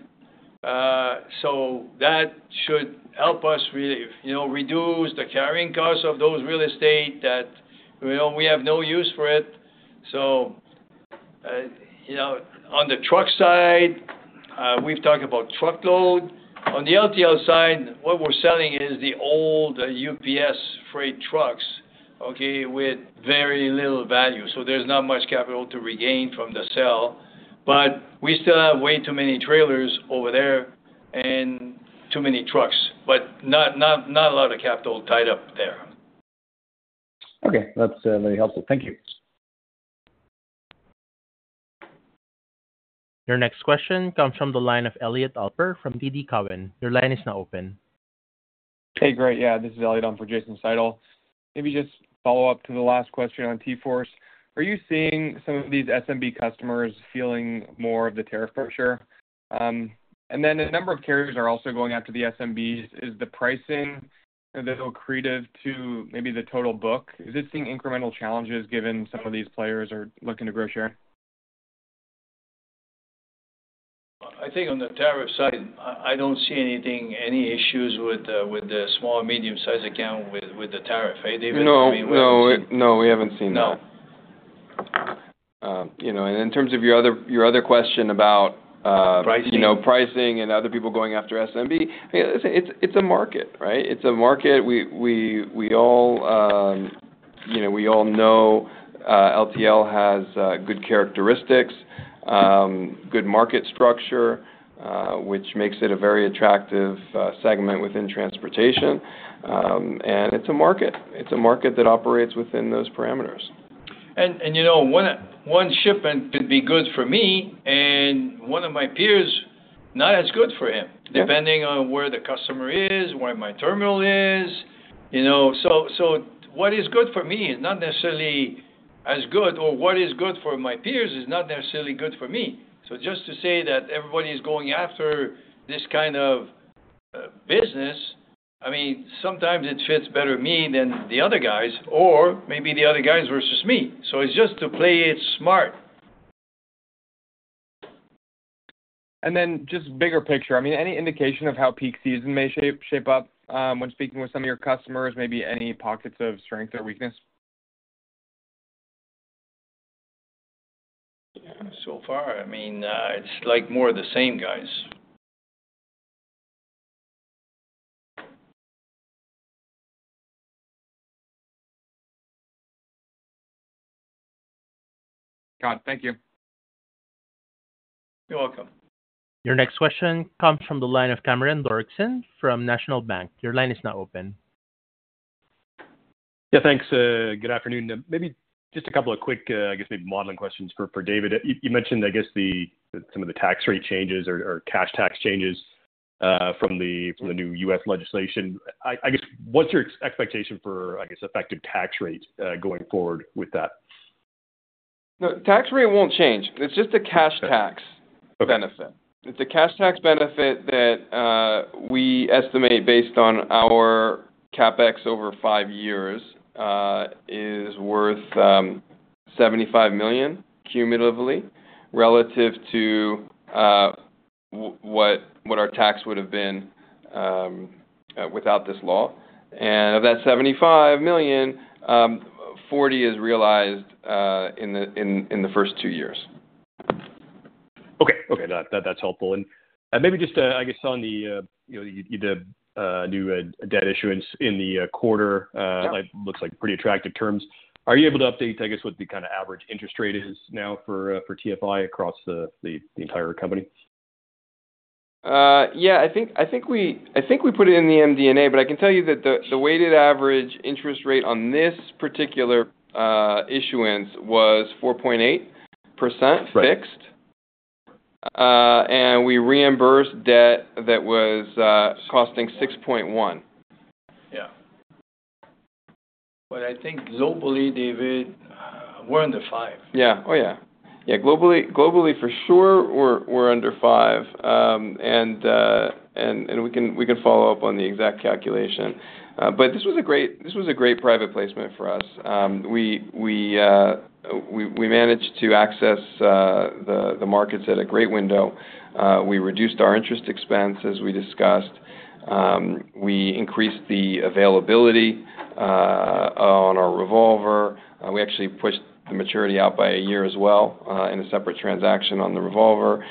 That should help us reduce the carrying cost of those real estate that we have no use for. On the truck side, we've talked about Truckload. On the LTL side, what we're selling is the old UPS Freight trucks with very little value. There's not much capital to regain from the seller. We still have way too many trailers over there and too many trucks, but not a lot of capital tied up there. Okay, that's very helpful, thank you. Your next question comes from the line of Elliot Alper from TD Cowen. Your line is now open. Hey, great. Yeah, this is Elliot for Jason Seidl. Maybe just follow up to the last question on TForce. Are you seeing some of these SMB customers feeling more of the tariff pressure? A number of carriers are also going after the SMBs. Is the pricing accretive to maybe the total book? Is it seeing incremental challenges given some of these players are looking to grow share? I think on the tariff side, I don't see anything, any issues with the small and medium sized account with the tariff. Hey, David. No, we haven't seen that. No. In terms of your other question about pricing and other people going after SMB, it's a market, right? It's a market. We all know LTL has good characteristics, good market structure, which makes it a very attractive segment within transportation. It's a market that operates within those parameters. One shipment could be good for me and one of my peers, not as good for him, depending on where the customer is, where my terminal is. What is good for me is not necessarily as good or what is good for my peers is not necessarily good for me. Just to say that everybody is going after this kind of business, sometimes it fits better me than the other guys or maybe the other guys versus me. It's just to play it smart. Just bigger picture. I mean, any indication of how peak season may shape up when speaking with some of your customers? Maybe any pockets of strength or weakness. It's like more of the same guys. Thank you. You're welcome. Your next question comes from the line of Cameron Doerksen from National Bank. Your line is now open. Yeah, thanks. Good afternoon. Maybe just a couple of quick, I guess, maybe modeling questions for David. You mentioned, I guess, some of the tax rate changes or cash tax changes from the new U.S. legislation. What's your expectation for, I guess, effective tax rate going forward with that? Tax rate won't change. It's just a cash tax benefit. It's a cash tax benefit that we estimate based on our CapEx over five years is worth $75 million cumulatively relative to what our tax would have been without this law. And that $75 million, $40 million is realized in the first two years. Okay, that's helpful. Maybe just on the new debt issuance in the quarter, looks like pretty attractive terms. Are you able to update what the kind of average interest rate is now for TFI across the entire company? I think we put it in the MD. I can tell you that the weighted average interest rate on this particular issuance was 4.8% fixed, and we reimbursed debt that was costing 6.1%. Yeah, I think globally, David, we're under 5%. Yeah. Yeah, globally for sure we're under 5%. We can follow up on the exact calculation. This was a great private placement for us. We managed to access the markets at a great window. We reduced our interest expense as we discussed. We increased the availability on our revolver. We actually pushed the maturity out by a year as well in a separate transaction on the revolver.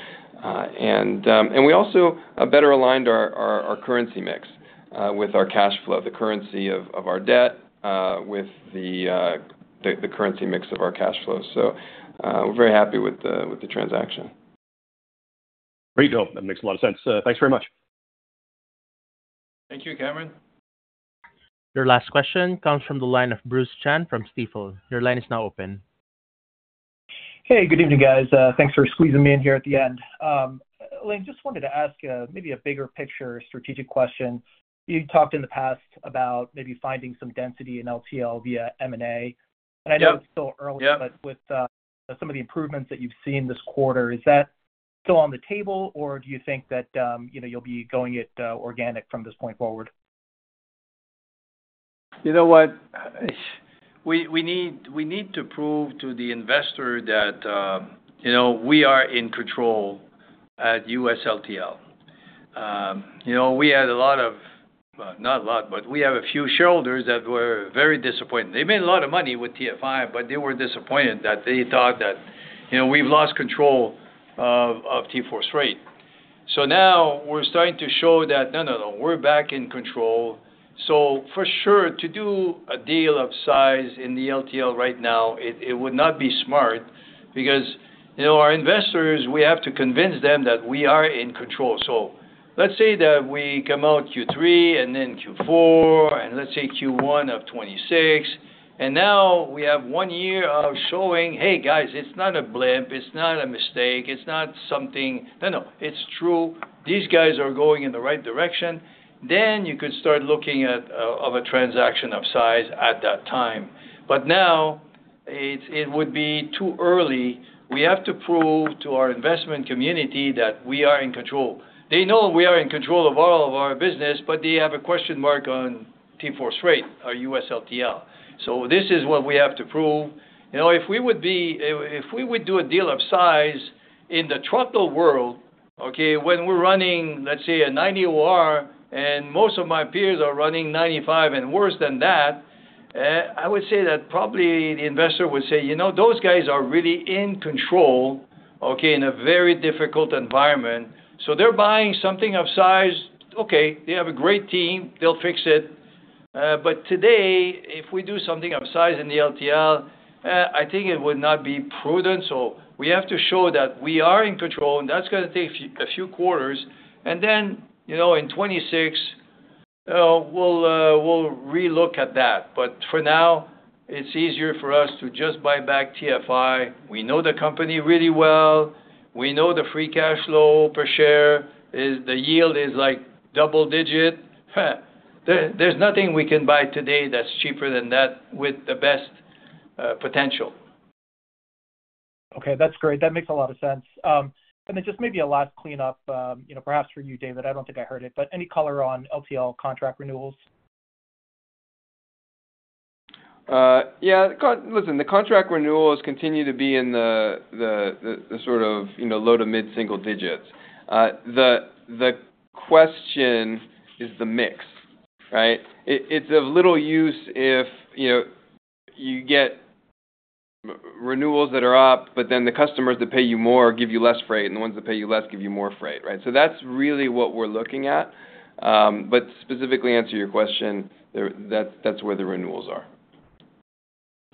We also better aligned our customers' currency mix with our cash flow, the currency of our debt with the currency mix of our cash flow. We're very happy with the transaction. Great, that makes a lot of sense. Thanks very much. Thank you, Cameron. Your last question comes from the line of Bruce Chan from Stifel. Your line is now open. Hey, good evening, guys. Thanks for squeezing me in here at the end. Alain, just wanted to ask maybe a bigger picture strategic question. You talked in the past about maybe finding some density in LTL via M&A. I know it's still early, but with some of the improvements that you've seen this quarter, is that still on the table or do you think that you'll be going it organic from this point forward? You know what, we need to prove to the investor that, you know, we are in control at US LTL. We had a lot of, not a lot, but we have a few shareholders that were very disappointed. They made a lot of money with TFI, but they were disappointed that they thought that, you know, we've lost control of TForce Freight. Now we're starting to show that no, no, no, we're back in control. For sure, to do a deal of size in the LTL right now would not be smart because, you know, our investors, we have to convince them that we are in control. Let's say that we come out Q3 and then Q4 and let's say Q1 of 2026, and now we have one year of showing, hey guys, it's not a blip, it's not a mistake, it's not something, no, no, it's true. These guys are going in the right direction. Then you could start looking at a transaction of size at that time. Now it would be too early. We have to prove to our investment community that we are in control. They know we are in control of all of our business, but they have a question mark on TForce Freight or U.S. LTL. This is what we have to prove. If we would do a deal of size in the truckload world, when we're running, let's say, a 90% Operating Ratio, and most of my peers are running 95% and worse than that, I would say that probably the investor would say, you know, those guys are really in control in a very difficult environment. They're buying something of size, they have a great team, they'll fix it. Today, if we do something of size in the LTL, I think it would not be prudent. We have to show that we are in control, and that's going to take a few quarters. In 2026, we'll relook at that. For now, it's easier for us to just buy back TFI. We know the company really well. We know the free cash flow per share is, the yield is like double-digit. There's nothing we can buy today that's cheaper than that with the best potential. Okay, that's great. That makes a lot of sense. Just maybe a last cleanup, you know, perhaps for you, David, I don't think I heard it, but any color on LTL contract renewals? Yeah, listen, the contract renewals continue to be in the sort of, you know, low to mid single digits. The question is the mix. Right. It's of little use if you get renewals that are up, but then the customers that pay you more give you less freight, and the ones that pay you less give you more freight. Right. That's really what we're looking at. To specifically answer your question, that's where the renewals are.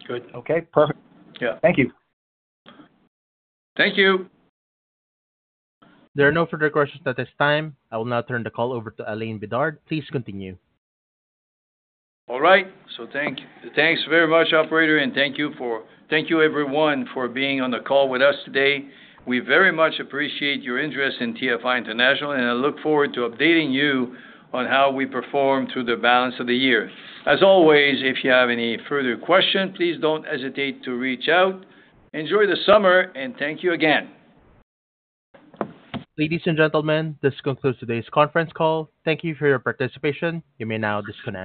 Good. Okay. Perfect. Yeah. Thank you. Thank you. There are no further questions at this time. I will now turn the call over to Alain Bédard. Please continue. All right, thanks very much, operator, and thank you, everyone, for being on the call with us today. We very much appreciate your interest in TFI International, and I look forward to updating you on how we perform through the balance of the year. As always, if you have any further questions, please don't hesitate to reach out. Enjoy the summer and thank you again. Ladies and gentlemen, this concludes today's conference call. Thank you for your participation. You may now disconnect.